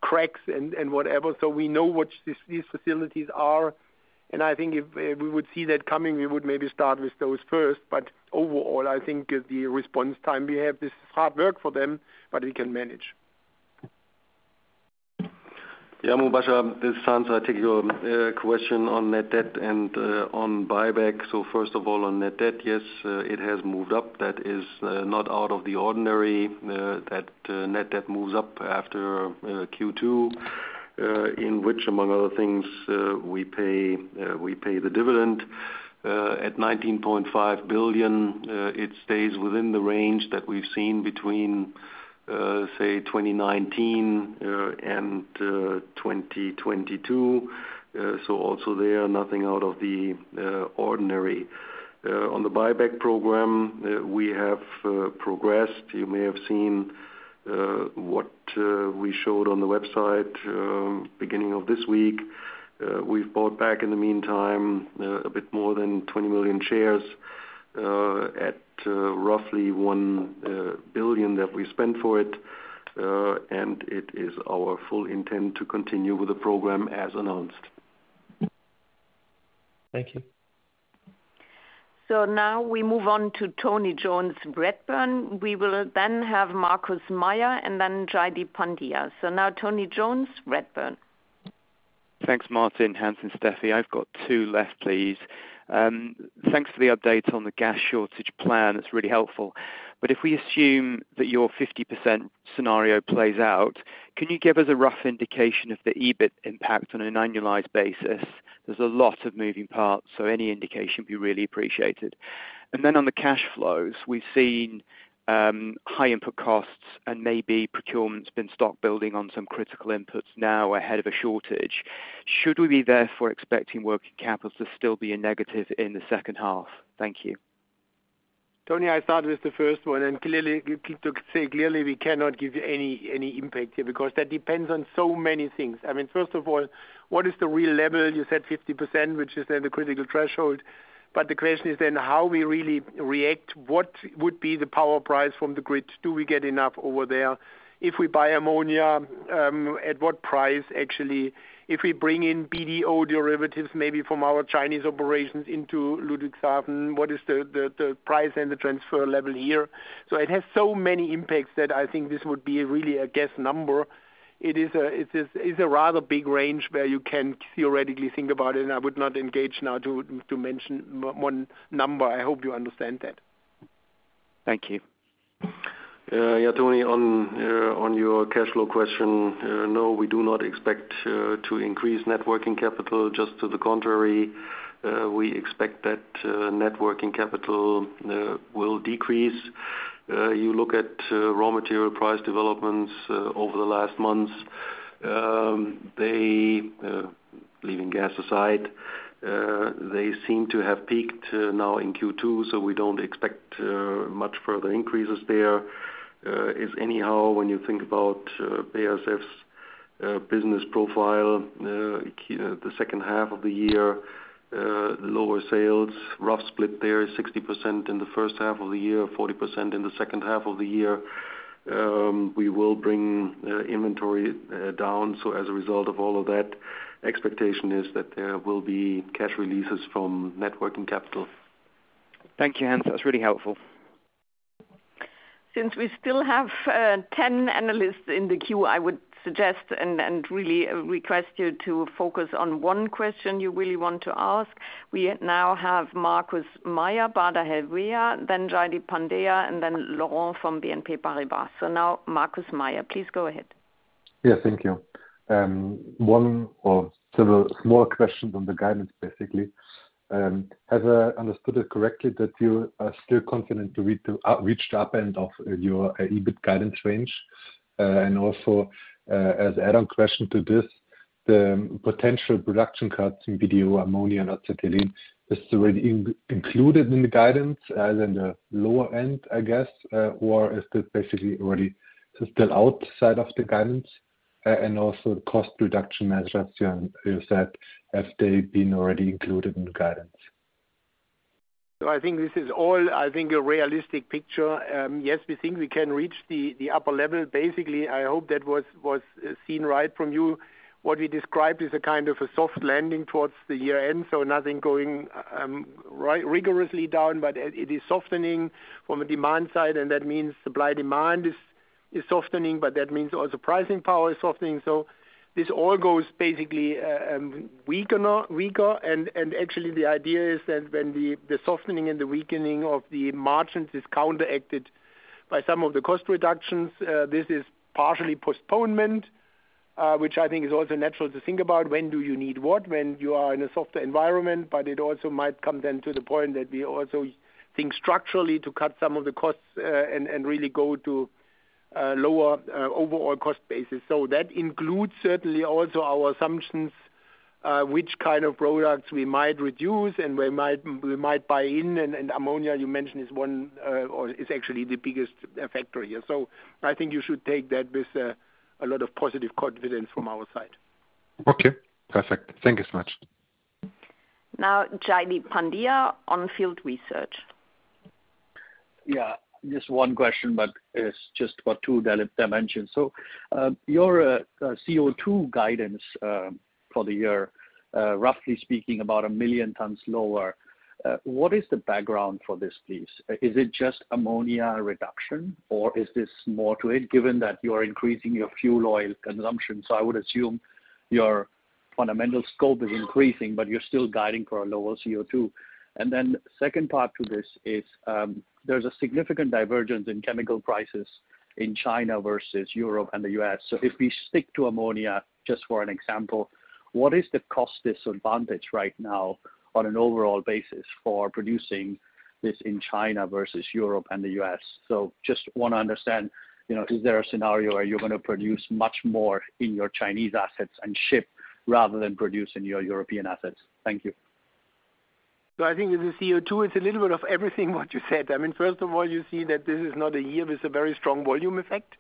cracks and whatever. We know which these facilities are, and I think if we would see that coming, we would maybe start with those first. Overall, I think the response time we have, this is hard work for them, but we can manage. Yeah, Mubashir, this is Hans. I'll take your question on net debt and on buyback. First of all, on net debt, yes, it has moved up. That is not out of the ordinary that net debt moves up after Q2, in which among other things, we pay the dividend. At 19.5 billion, it stays within the range that we've seen between, say, 2019 and 2022. So also there, nothing out of the ordinary. On the buyback program, we have progressed. You may have seen what we showed on the website, beginning of this week. We've bought back in the meantime a bit more than 20 million shares at roughly 1 billion that we spent for it. It is our full intent to continue with the program as announced. Thank you. Now we move on to Tony Jones, Redburn. We will then have Markus Mayer and then Jaideep Pandya. Now Tony Jones, Redburn. Thanks, Martin, Hans, and Steffi. I've got two left, please. Thanks for the update on the gas shortage plan. It's really helpful. If we assume that your 50% scenario plays out, can you give us a rough indication of the EBIT impact on an annualized basis? There's a lot of moving parts, so any indication would be really appreciated. On the cash flows, we've seen high input costs and maybe procurement's been stock building on some critical inputs now ahead of a shortage. Should we therefore be expecting working capital to still be a negative in the second half? Thank you. Tony, I start with the first one, clearly, to say clearly, we cannot give you any impact here because that depends on so many things. I mean, first of all, what is the real level? You said 50%, which is then the critical threshold. The question is then how we really react. What would be the power price from the grid? Do we get enough over there? If we buy ammonia at what price actually? If we bring in BDO derivatives, maybe from our Chinese operations into Ludwigshafen, what is the price and the transfer level here? It has so many impacts that I think this would be really a guess number. It's a rather big range where you can theoretically think about it, and I would not engage now to mention one number. I hope you understand that. Thank you. Yeah, Tony, on your cash flow question, no, we do not expect to increase net working capital. Just to the contrary, we expect that net working capital will decrease. You look at raw material price developments over the last months. They, leaving gas aside, they seem to have peaked now in Q2, so we don't expect much further increases there. If anyhow, when you think about BASF's business profile, the second half of the year, lower sales, rough split there, 60% in the first half of the year, 40% in the second half of the year, we will bring inventory down. As a result of all of that, expectation is that there will be cash releases from net working capital. Thank you, Hans. That's really helpful. Since we still have 10 analysts in the queue, I would suggest and really request you to focus on one question you really want to ask. We now have Markus Mayer, Baader Helvea, then Jaideep Pandya, and then Laurent Favre from BNP Paribas. Now Markus Mayer, please go ahead. Yes, thank you. One or several small questions on the guidance, basically. Have I understood it correctly that you are still confident to reach the upper end of your EBIT guidance range? And also, as add-on question to this, the potential production cuts in BDO, ammonia, and acetylene, is already included in the guidance, in the lower end, I guess? Or is this basically already still outside of the guidance? And also cost reduction measures you have said, have they been already included in the guidance? I think this is all, I think, a realistic picture. Yes, we think we can reach the upper level. Basically, I hope that was seen right from you. What we described is a kind of a soft landing towards the year end, so nothing going rigorously down, but it is softening from a demand side, and that means supply-demand is softening, but that means also pricing power is softening. This all goes basically weaker. Actually, the idea is that when the softening and the weakening of the margins is counteracted by some of the cost reductions, this is partially postponement, which I think is also natural to think about when do you need what when you are in a softer environment. It also might come then to the point that we also think structurally to cut some of the costs, and really go to lower overall cost basis. So that includes certainly also our assumptions, which kind of products we might reduce and we might buy in. Ammonia you mentioned is one, or is actually the biggest factor here. So I think you should take that with a lot of positive confidence from our side. Okay. Perfect. Thank you so much. Now, Jaideep Pandya, On Field Research. Yeah, just one question, but it's just about two dimensions. Your CO₂ guidance for the year, roughly speaking, about 1 million tons lower. What is the background for this, please? Is it just ammonia reduction, or is this more to it given that you are increasing your fuel oil consumption? I would assume your Scope 1 is increasing, but you're still guiding for a lower CO₂. Second part to this is, there's a significant divergence in chemical prices in China versus Europe and the U.S. If we stick to ammonia, just for an example, what is the cost disadvantage right now on an overall basis for producing this in China versus Europe and the U.S.? Just wanna understand, you know, is there a scenario where you're gonna produce much more in your Chinese assets and ship rather than produce in your European assets? Thank you. I think with the CO₂, it's a little bit of everything what you said. I mean, first of all, you see that this is not a year with a very strong volume effect.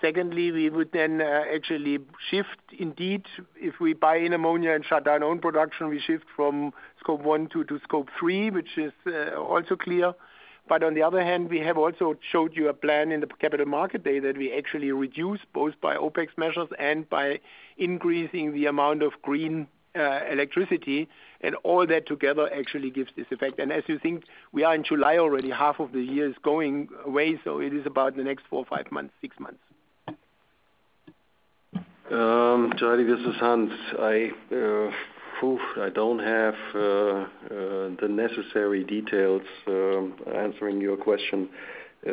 Secondly, we would then actually shift indeed if we buy in ammonia and shut down own production, we shift from Scope 1 to Scope 3, which is also clear. But on the other hand, we have also showed you a plan in the Capital Markets Day that we actually reduce both by OpEx measures and by increasing the amount of green electricity. And all that together actually gives this effect. And as you think, we are in July already, half of the year is going away, so it is about the next 4 or 5 months, 6 months. Jaideep, this is Hans. I don't have the necessary details answering your question.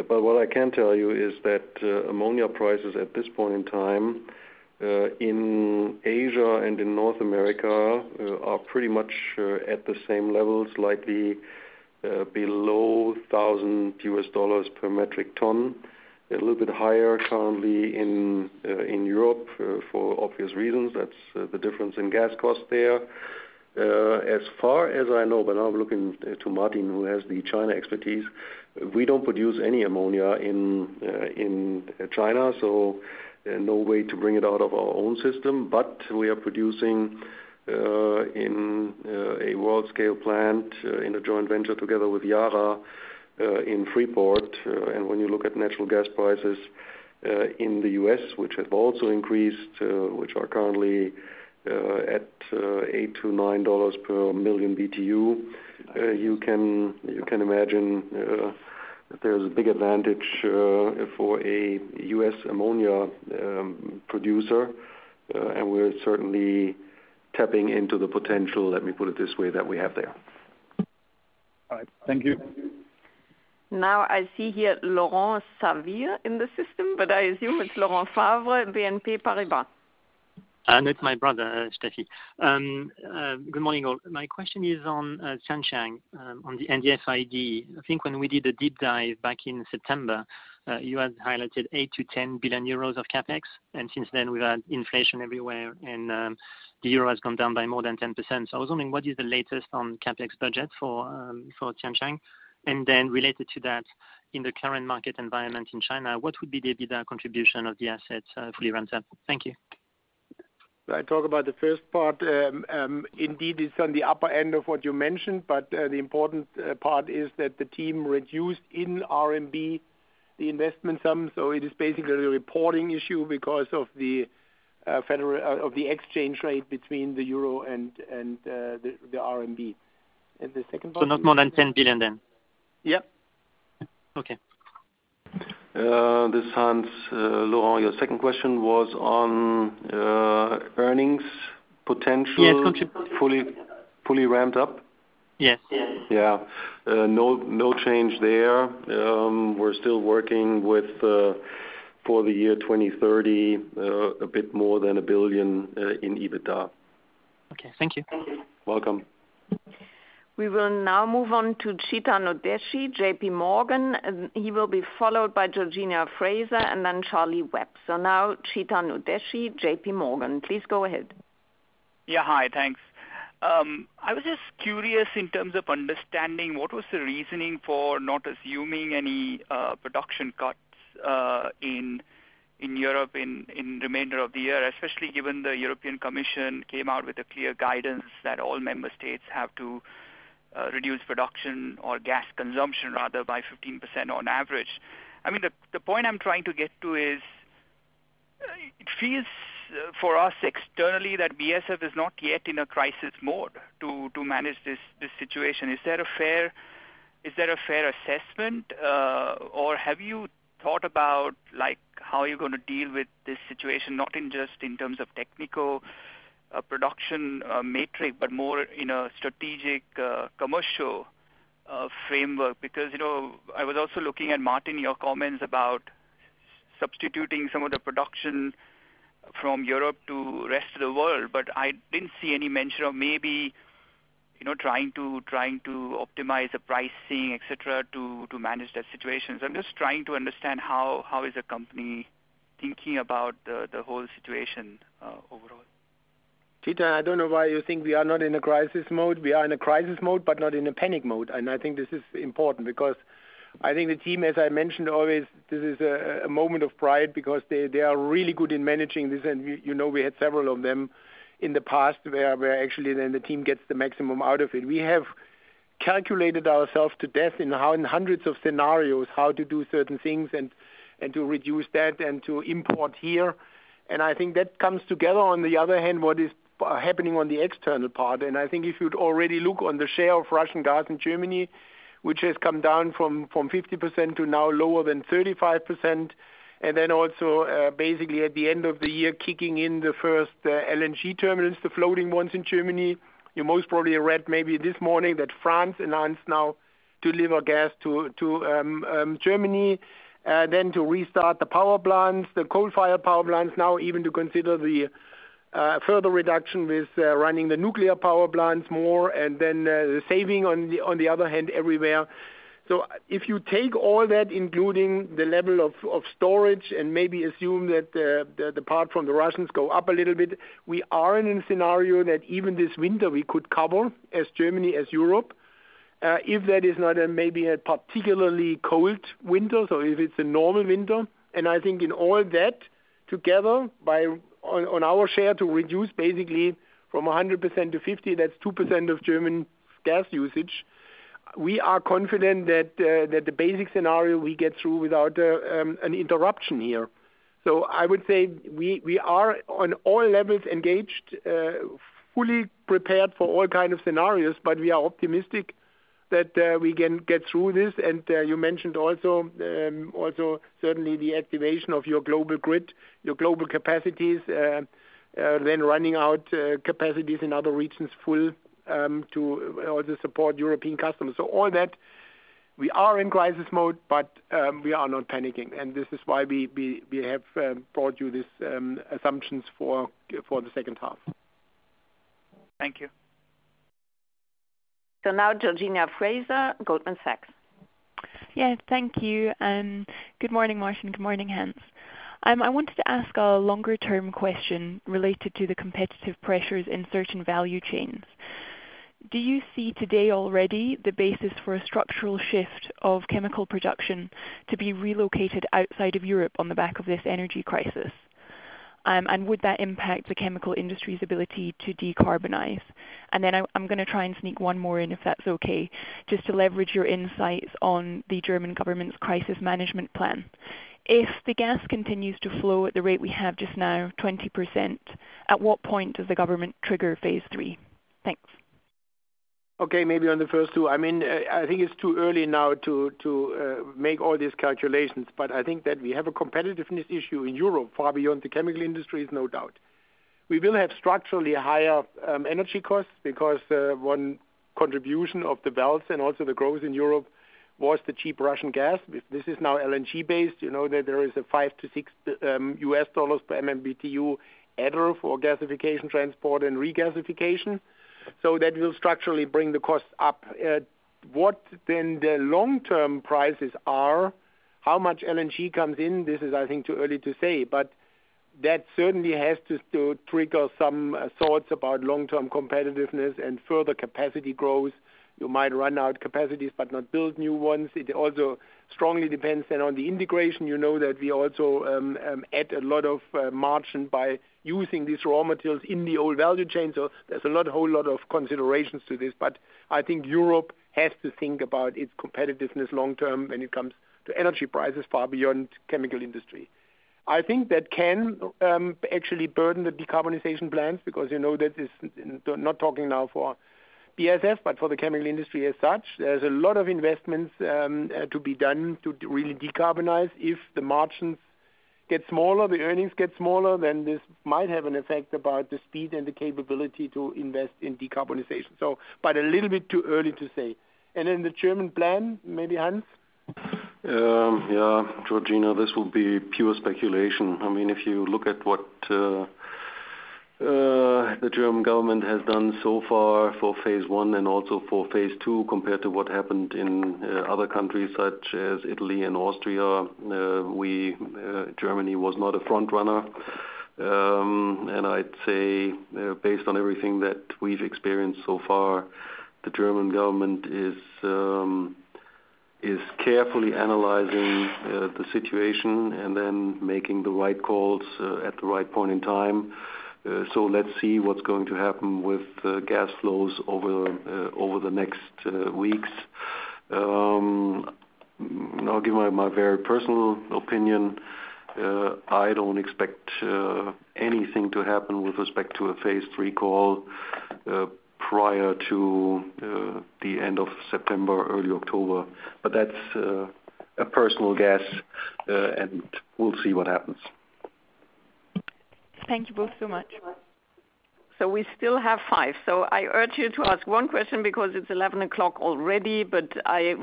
What I can tell you is that ammonia prices at this point in time in Asia and in North America are pretty much at the same levels, likely below $1,000 per metric ton. A little bit higher currently in Europe for obvious reasons. That's the difference in gas costs there. As far as I know, now I'm looking to Martin, who has the China expertise. We don't produce any ammonia in China, so no way to bring it out of our own system. We are producing in a world-scale plant in a joint venture together with Yara in Freeport. When you look at natural gas prices in the U.S., which have also increased, which are currently at $8-$9 per MMBtu, you can imagine there's a big advantage for a U.S. ammonia producer. We're certainly tapping into the potential, let me put it this way, that we have there. All right. Thank you. Now, I see here Laurent Favre in the system, but I assume it's Laurent Favre, BNP Paribas. No, it's my brother, Steffie. Good morning, all. My question is on Zhanjiang, on the CapEx. I think when we did a deep dive back in September, you had highlighted 8-10 billion euros of CapEx, and since then we've had inflation everywhere and the euro has come down by more than 10%. I was wondering, what is the latest on CapEx budget for Zhanjiang? And then related to that, in the current market environment in China, what would be the EBITDA contribution of the assets fully ramped up? Thank you. I talk about the first part. Indeed, it's on the upper end of what you mentioned, but the important part is that the team reduced in RMB the investment sum. It is basically a reporting issue because of the exchange rate between the euro and the RMB. The second part? Not more than 10 billion then? Yep. Okay. This is Hans. Laurent, your second question was on earnings potential. Yes. Fully ramped up? Yes. Yeah. No change there. We're still working with for the year 2030, a bit more than 1 billion in EBITDA. Okay. Thank you. Welcome. We will now move on to Chetan Udeshi, JPMorgan. He will be followed by Georgina Fraser and then Charlie Webb. Now Chetan Udeshi, JPMorgan, please go ahead. Yeah. Hi. Thanks. I was just curious in terms of understanding what was the reasoning for not assuming any production cuts in Europe in remainder of the year, especially given the European Commission came out with a clear guidance that all member states have to reduce production or gas consumption rather by 15% on average. I mean, the point I'm trying to get to is. It feels for us externally that BASF is not yet in a crisis mode to manage this situation. Is that a fair assessment? Or have you thought about, like, how you're gonna deal with this situation, not just in terms of technical, production, metric, but more in a strategic, commercial, framework? Because, you know, I was also looking at Martin, your comments about substituting some of the production from Europe to rest of the world, but I didn't see any mention of maybe, you know, trying to optimize the pricing, et cetera, to manage that situation. I'm just trying to understand how is the company thinking about the whole situation, overall. Chetan, I don't know why you think we are not in a crisis mode. We are in a crisis mode, but not in a panic mode. I think this is important because I think the team, as I mentioned always, this is a moment of pride because they are really good in managing this. You know, we had several of them in the past where actually then the team gets the maximum out of it. We have calculated ourselves to death in hundreds of scenarios, how to do certain things and to reduce that and to import here. I think that comes together on the other hand, what is happening on the external part. I think if you'd already look on the share of Russian gas in Germany, which has come down from 50% to now lower than 35%. Also, basically at the end of the year, kicking in the first LNG terminals, the floating ones in Germany. You most probably read maybe this morning that France announced now to deliver gas to Germany, then to restart the power plants, the coal-fired power plants, now even to consider the further reduction with running the nuclear power plants more and then the saving on the other hand everywhere. If you take all that, including the level of storage and maybe assume that the part from the Russians go up a little bit, we are in a scenario that even this winter we could cover gas Germany, gas Europe, if that is not maybe a particularly cold winter or if it's a normal winter. I think in all that together based on our share to reduce basically from 100% to 50%, that's 2% of German gas usage. We are confident that the basic scenario we get through without an interruption here. I would say we are on all levels engaged, fully prepared for all kind of scenarios, but we are optimistic that we can get through this. You mentioned also certainly the activation of your global grid, your global capacities, then running our capacities in other regions full, to also support European customers. All that, we are in crisis mode, but we are not panicking. This is why we have brought you these assumptions for the second half. Thank you. Now Georgina Fraser, Goldman Sachs. Yeah, thank you, and good morning, Martin. Good morning, Hans. I wanted to ask a longer-term question related to the competitive pressures in certain value chains. Do you see today already the basis for a structural shift of chemical production to be relocated outside of Europe on the back of this energy crisis? Would that impact the chemical industry's ability to decarbonize? I'm gonna try and sneak one more in, if that's okay. Just to leverage your insights on the German government's crisis management plan. If the gas continues to flow at the rate we have just now, 20%, at what point does the government trigger phase III? Thanks. Okay, maybe on the first two. I mean, I think it's too early now to make all these calculations. I think that we have a competitiveness issue in Europe far beyond the chemical industry, is no doubt. We will have structurally higher energy costs because one contribution of the Baltic and also the growth in Europe was the cheap Russian gas. This is now LNG based. You know that there is a 5-6 $ per MMBtu adder for gasification transport and regasification. That will structurally bring the costs up. What then the long-term prices are, how much LNG comes in, this is, I think, too early to say. That certainly has to trigger some thoughts about long-term competitiveness and further capacity growth. You might run out capacities but not build new ones. It also strongly depends on the integration. You know that we also add a lot of margin by using these raw materials in the whole value chain. There's a whole lot of considerations to this. I think Europe has to think about its competitiveness long term when it comes to energy prices far beyond chemical industry. I think that can actually burden the decarbonization plans because you know that. I'm not talking now for BASF, but for the chemical industry as such, there's a lot of investments to be done to really decarbonize. If the margins get smaller, the earnings get smaller, then this might have an effect about the speed and the capability to invest in decarbonization. A little bit too early to say. The German plan, maybe Hans? Yeah. Georgina, this will be pure speculation. I mean, if you look at what the German government has done so far for phase I and also for phase II, compared to what happened in other countries such as Italy and Austria, Germany was not a front runner. I'd say, based on everything that we've experienced so far, the German government is carefully analyzing the situation and then making the right calls at the right point in time. Let's see what's going to happen with gas flows over the next weeks. Now give my very personal opinion. I don't expect anything to happen with respect to a phase III call prior to the end of September, early October. That's a personal guess, and we'll see what happens. Thank you both so much. We still have five. I urge you to ask one question because it's 11:00 already, but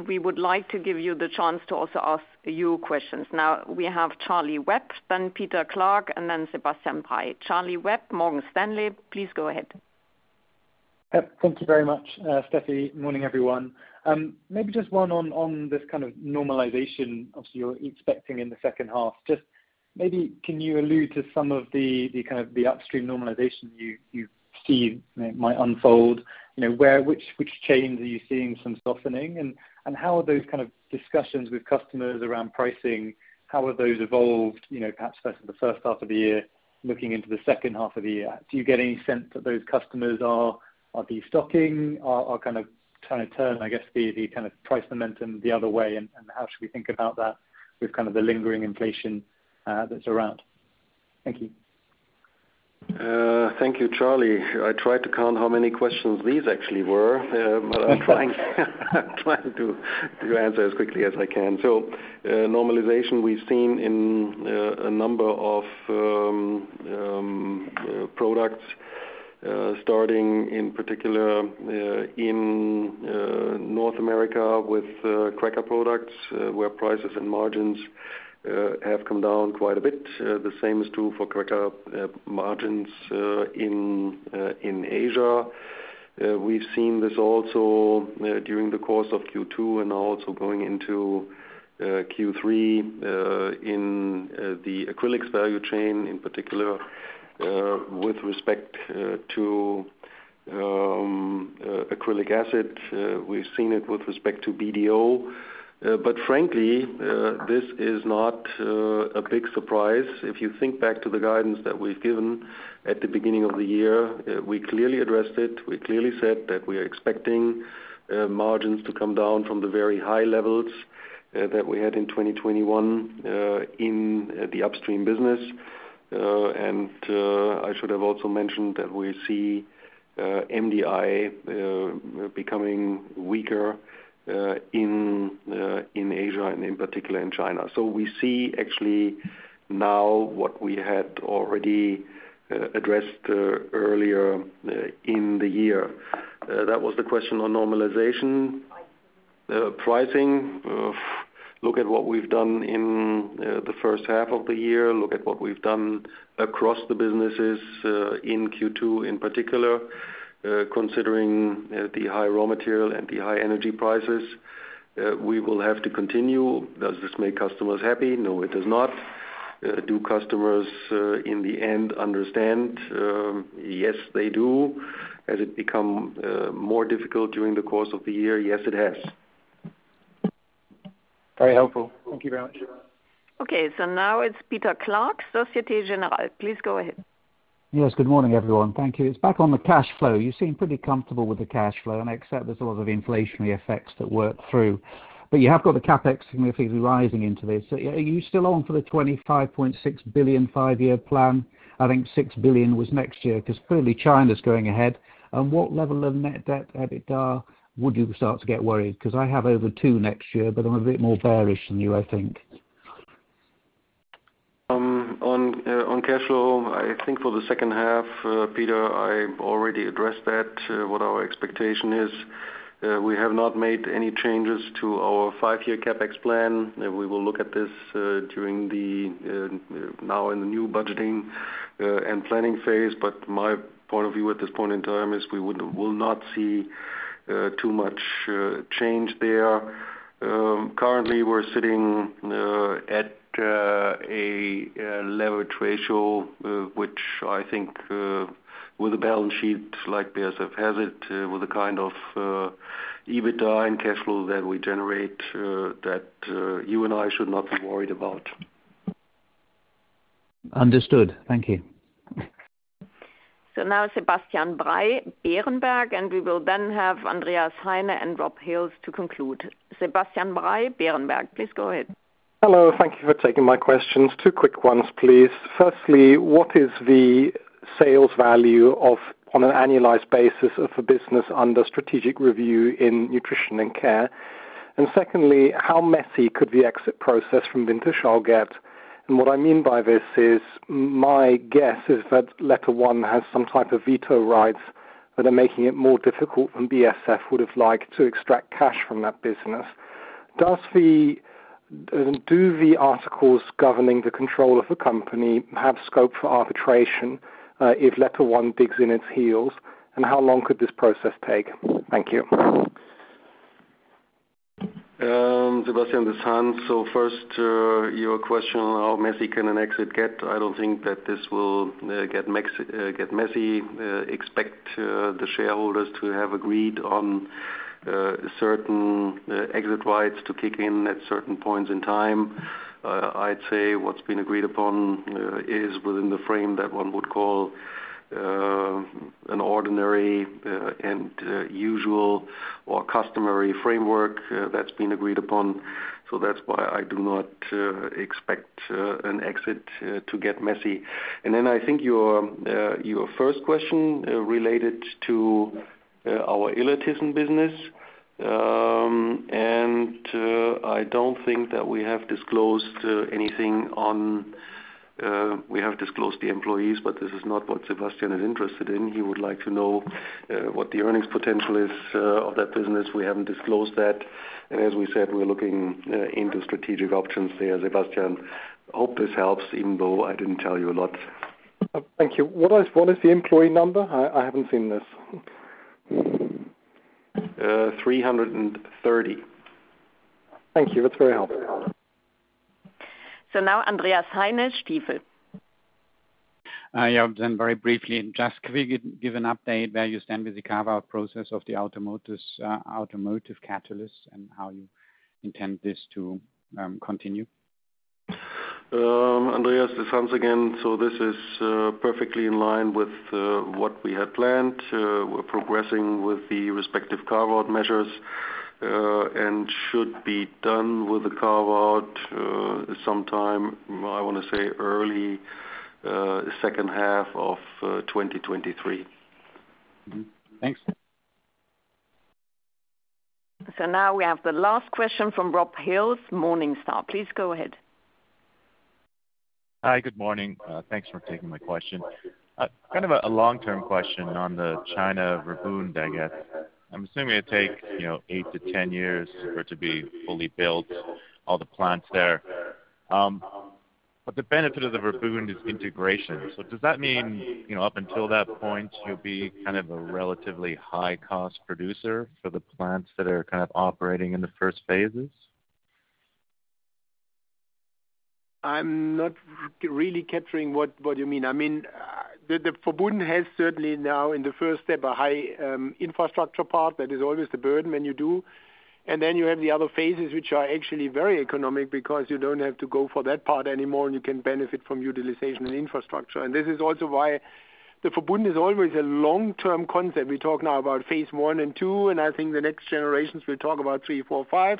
we would like to give you the chance to also ask a few questions. Now we have Charlie Webb, then Peter Clark, and then Sebastian Bray. Charlie Webb, Morgan Stanley, please go ahead. Thank you very much, Stephanie. Morning, everyone. Maybe just one on this kind of normalization obviously you're expecting in the second half. Just maybe can you allude to some of the kind of upstream normalization you see might unfold? You know, which chains are you seeing some softening? And how are those kind of discussions with customers around pricing, how have those evolved, you know, perhaps versus the first half of the year looking into the second half of the year? Do you get any sense that those customers are destocking or kind of trying to turn, I guess, the kind of price momentum the other way? And how should we think about that with kind of the lingering inflation that's around? Thank you. Thank you, Charlie. I tried to count how many questions these actually were, but I'm trying to answer as quickly as I can. Normalization we've seen in a number of products, starting in particular in North America with cracker products, where prices and margins have come down quite a bit. The same is true for cracker margins in Asia. We've seen this also during the course of Q2 and also going into Q3 in the acrylics value chain, in particular with respect to acrylic acid. We've seen it with respect to BDO. Frankly, this is not a big surprise. If you think back to the guidance that we've given at the beginning of the year, we clearly addressed it. We clearly said that we are expecting margins to come down from the very high levels that we had in 2021 in the upstream business. I should have also mentioned that we see MDI becoming weaker in Asia and in particular in China. We see actually now what we had already addressed earlier in the year. That was the question on normalization. Pricing, look at what we've done in the first half of the year. Look at what we've done across the businesses in Q2 in particular considering the high raw material and the high energy prices. We will have to continue. Does this make customers happy? No, it does not. Do customers, in the end understand? Yes, they do. Has it become more difficult during the course of the year? Yes, it has. Very helpful. Thank you very much. Okay, now it's Peter Clark, Société Générale. Please go ahead. Yes, good morning, everyone. Thank you. It's back on the cash flow. You seem pretty comfortable with the cash flow, and I accept there's a lot of inflationary effects that work through. You have got the CapEx significantly rising into this. Are you still on for the 25.6 billion five-year plan? I think 6 billion was next year, 'cause clearly China's going ahead. What level of net debt EBITDA would you start to get worried? 'Cause I have over 2 next year, but I'm a bit more bearish than you, I think. On cash flow, I think for the second half, Peter, I already addressed that, what our expectation is. We have not made any changes to our five-year CapEx plan. We will look at this during now in the new budgeting and planning phase. My point of view at this point in time is we will not see too much change there. Currently we're sitting at a leverage ratio, which I think, with a balance sheet like BASF has it, with the kind of EBITDA and cash flow that we generate, that you and I should not be worried about. Understood. Thank you. Now Sebastian Bray, Berenberg, and we will then have Andreas Heine and Robert Hales to conclude. Sebastian Bray, Berenberg, please go ahead. Hello. Thank you for taking my questions. Two quick ones, please. Firstly, what is the sales value of, on an annualized basis, of the business under strategic review in Nutrition and Care? Secondly, how messy could the exit process from Wintershall get? What I mean by this is my guess is that LetterOne has some type of veto rights that are making it more difficult than BASF would have liked to extract cash from that business. Do the articles governing the control of the company have scope for arbitration, if LetterOne digs in its heels? How long could this process take? Thank you. Sebastian, this is Hans. First, your question on how messy can an exit get, I don't think that this will get messy. Expect the shareholders to have agreed on certain exit rights to kick in at certain points in time. I'd say what's been agreed upon is within the frame that one would call an ordinary and usual or customary framework that's been agreed upon. That's why I do not expect an exit to get messy. Then I think your first question related to our Illertissen business. I don't think that we have disclosed anything on. We have disclosed the employees, but this is not what Sebastian is interested in. He would like to know what the earnings potential is of that business. We haven't disclosed that. As we said, we're looking into strategic options there, Sebastian. Hope this helps even though I didn't tell you a lot. Thank you. What is the employee number? I haven't seen this. 330. Thank you. That's very helpful. Now Andreas Heine, Stifel. I have very briefly, just could we give an update where you stand with the carve-out process of the automotives, automotive catalysts and how you intend this to continue? Andreas, this is Hans again. This is perfectly in line with what we had planned. We're progressing with the respective carve-out measures and should be done with the carve-out sometime, I wanna say early second half of 2023. Thanks. Now we have the last question from Rob Hales, Morningstar. Please go ahead. Hi, good morning. Thanks for taking my question. Kind of a long-term question on the China Verbund, I guess. I'm assuming it'd take, you know, 8-10 years for it to be fully built, all the plants there. The benefit of the Verbund is integration. Does that mean, you know, up until that point, you'll be kind of a relatively high cost producer for the plants that are kind of operating in the first phases? I'm not really capturing what you mean. I mean, the Verbund has certainly now in the first step, a high infrastructure part that is always the burden when you do. Then you have the other phases which are actually very economic because you don't have to go for that part anymore, and you can benefit from utilization and infrastructure. This is also why the Verbund is always a long-term concept. We talk now about phase I and II, and I think the next generations will talk about 3, 4, 5,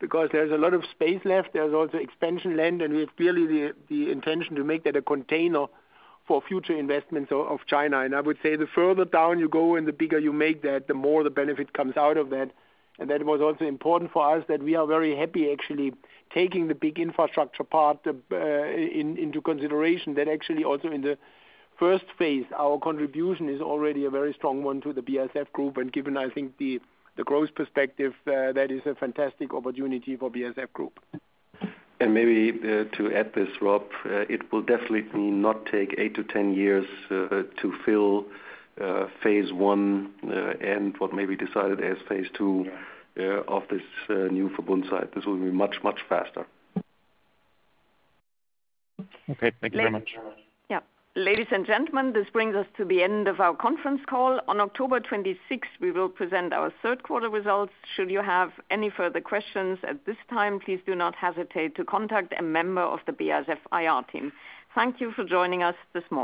because there's a lot of space left. There's also expansion land, and we have clearly the intention to make that a container for future investments of China. I would say the further down you go and the bigger you make that, the more the benefit comes out of that. That was also important for us, that we are very happy actually taking the big infrastructure part into consideration that actually also in the first phase, our contribution is already a very strong one to the BASF Group. Given, I think the growth perspective, that is a fantastic opportunity for BASF Group. Maybe, to add this, Rob, it will definitely not take 8-10 years to fill phase I and what may be decided as phase II. Yeah. Of this new Verbund site. This will be much, much faster. Okay. Thank you very much. Yeah. Ladies and gentlemen, this brings us to the end of our conference call. On October 26, we will present our Q3 results. Should you have any further questions at this time, please do not hesitate to contact a member of the BASF IR team. Thank you for joining us this morning.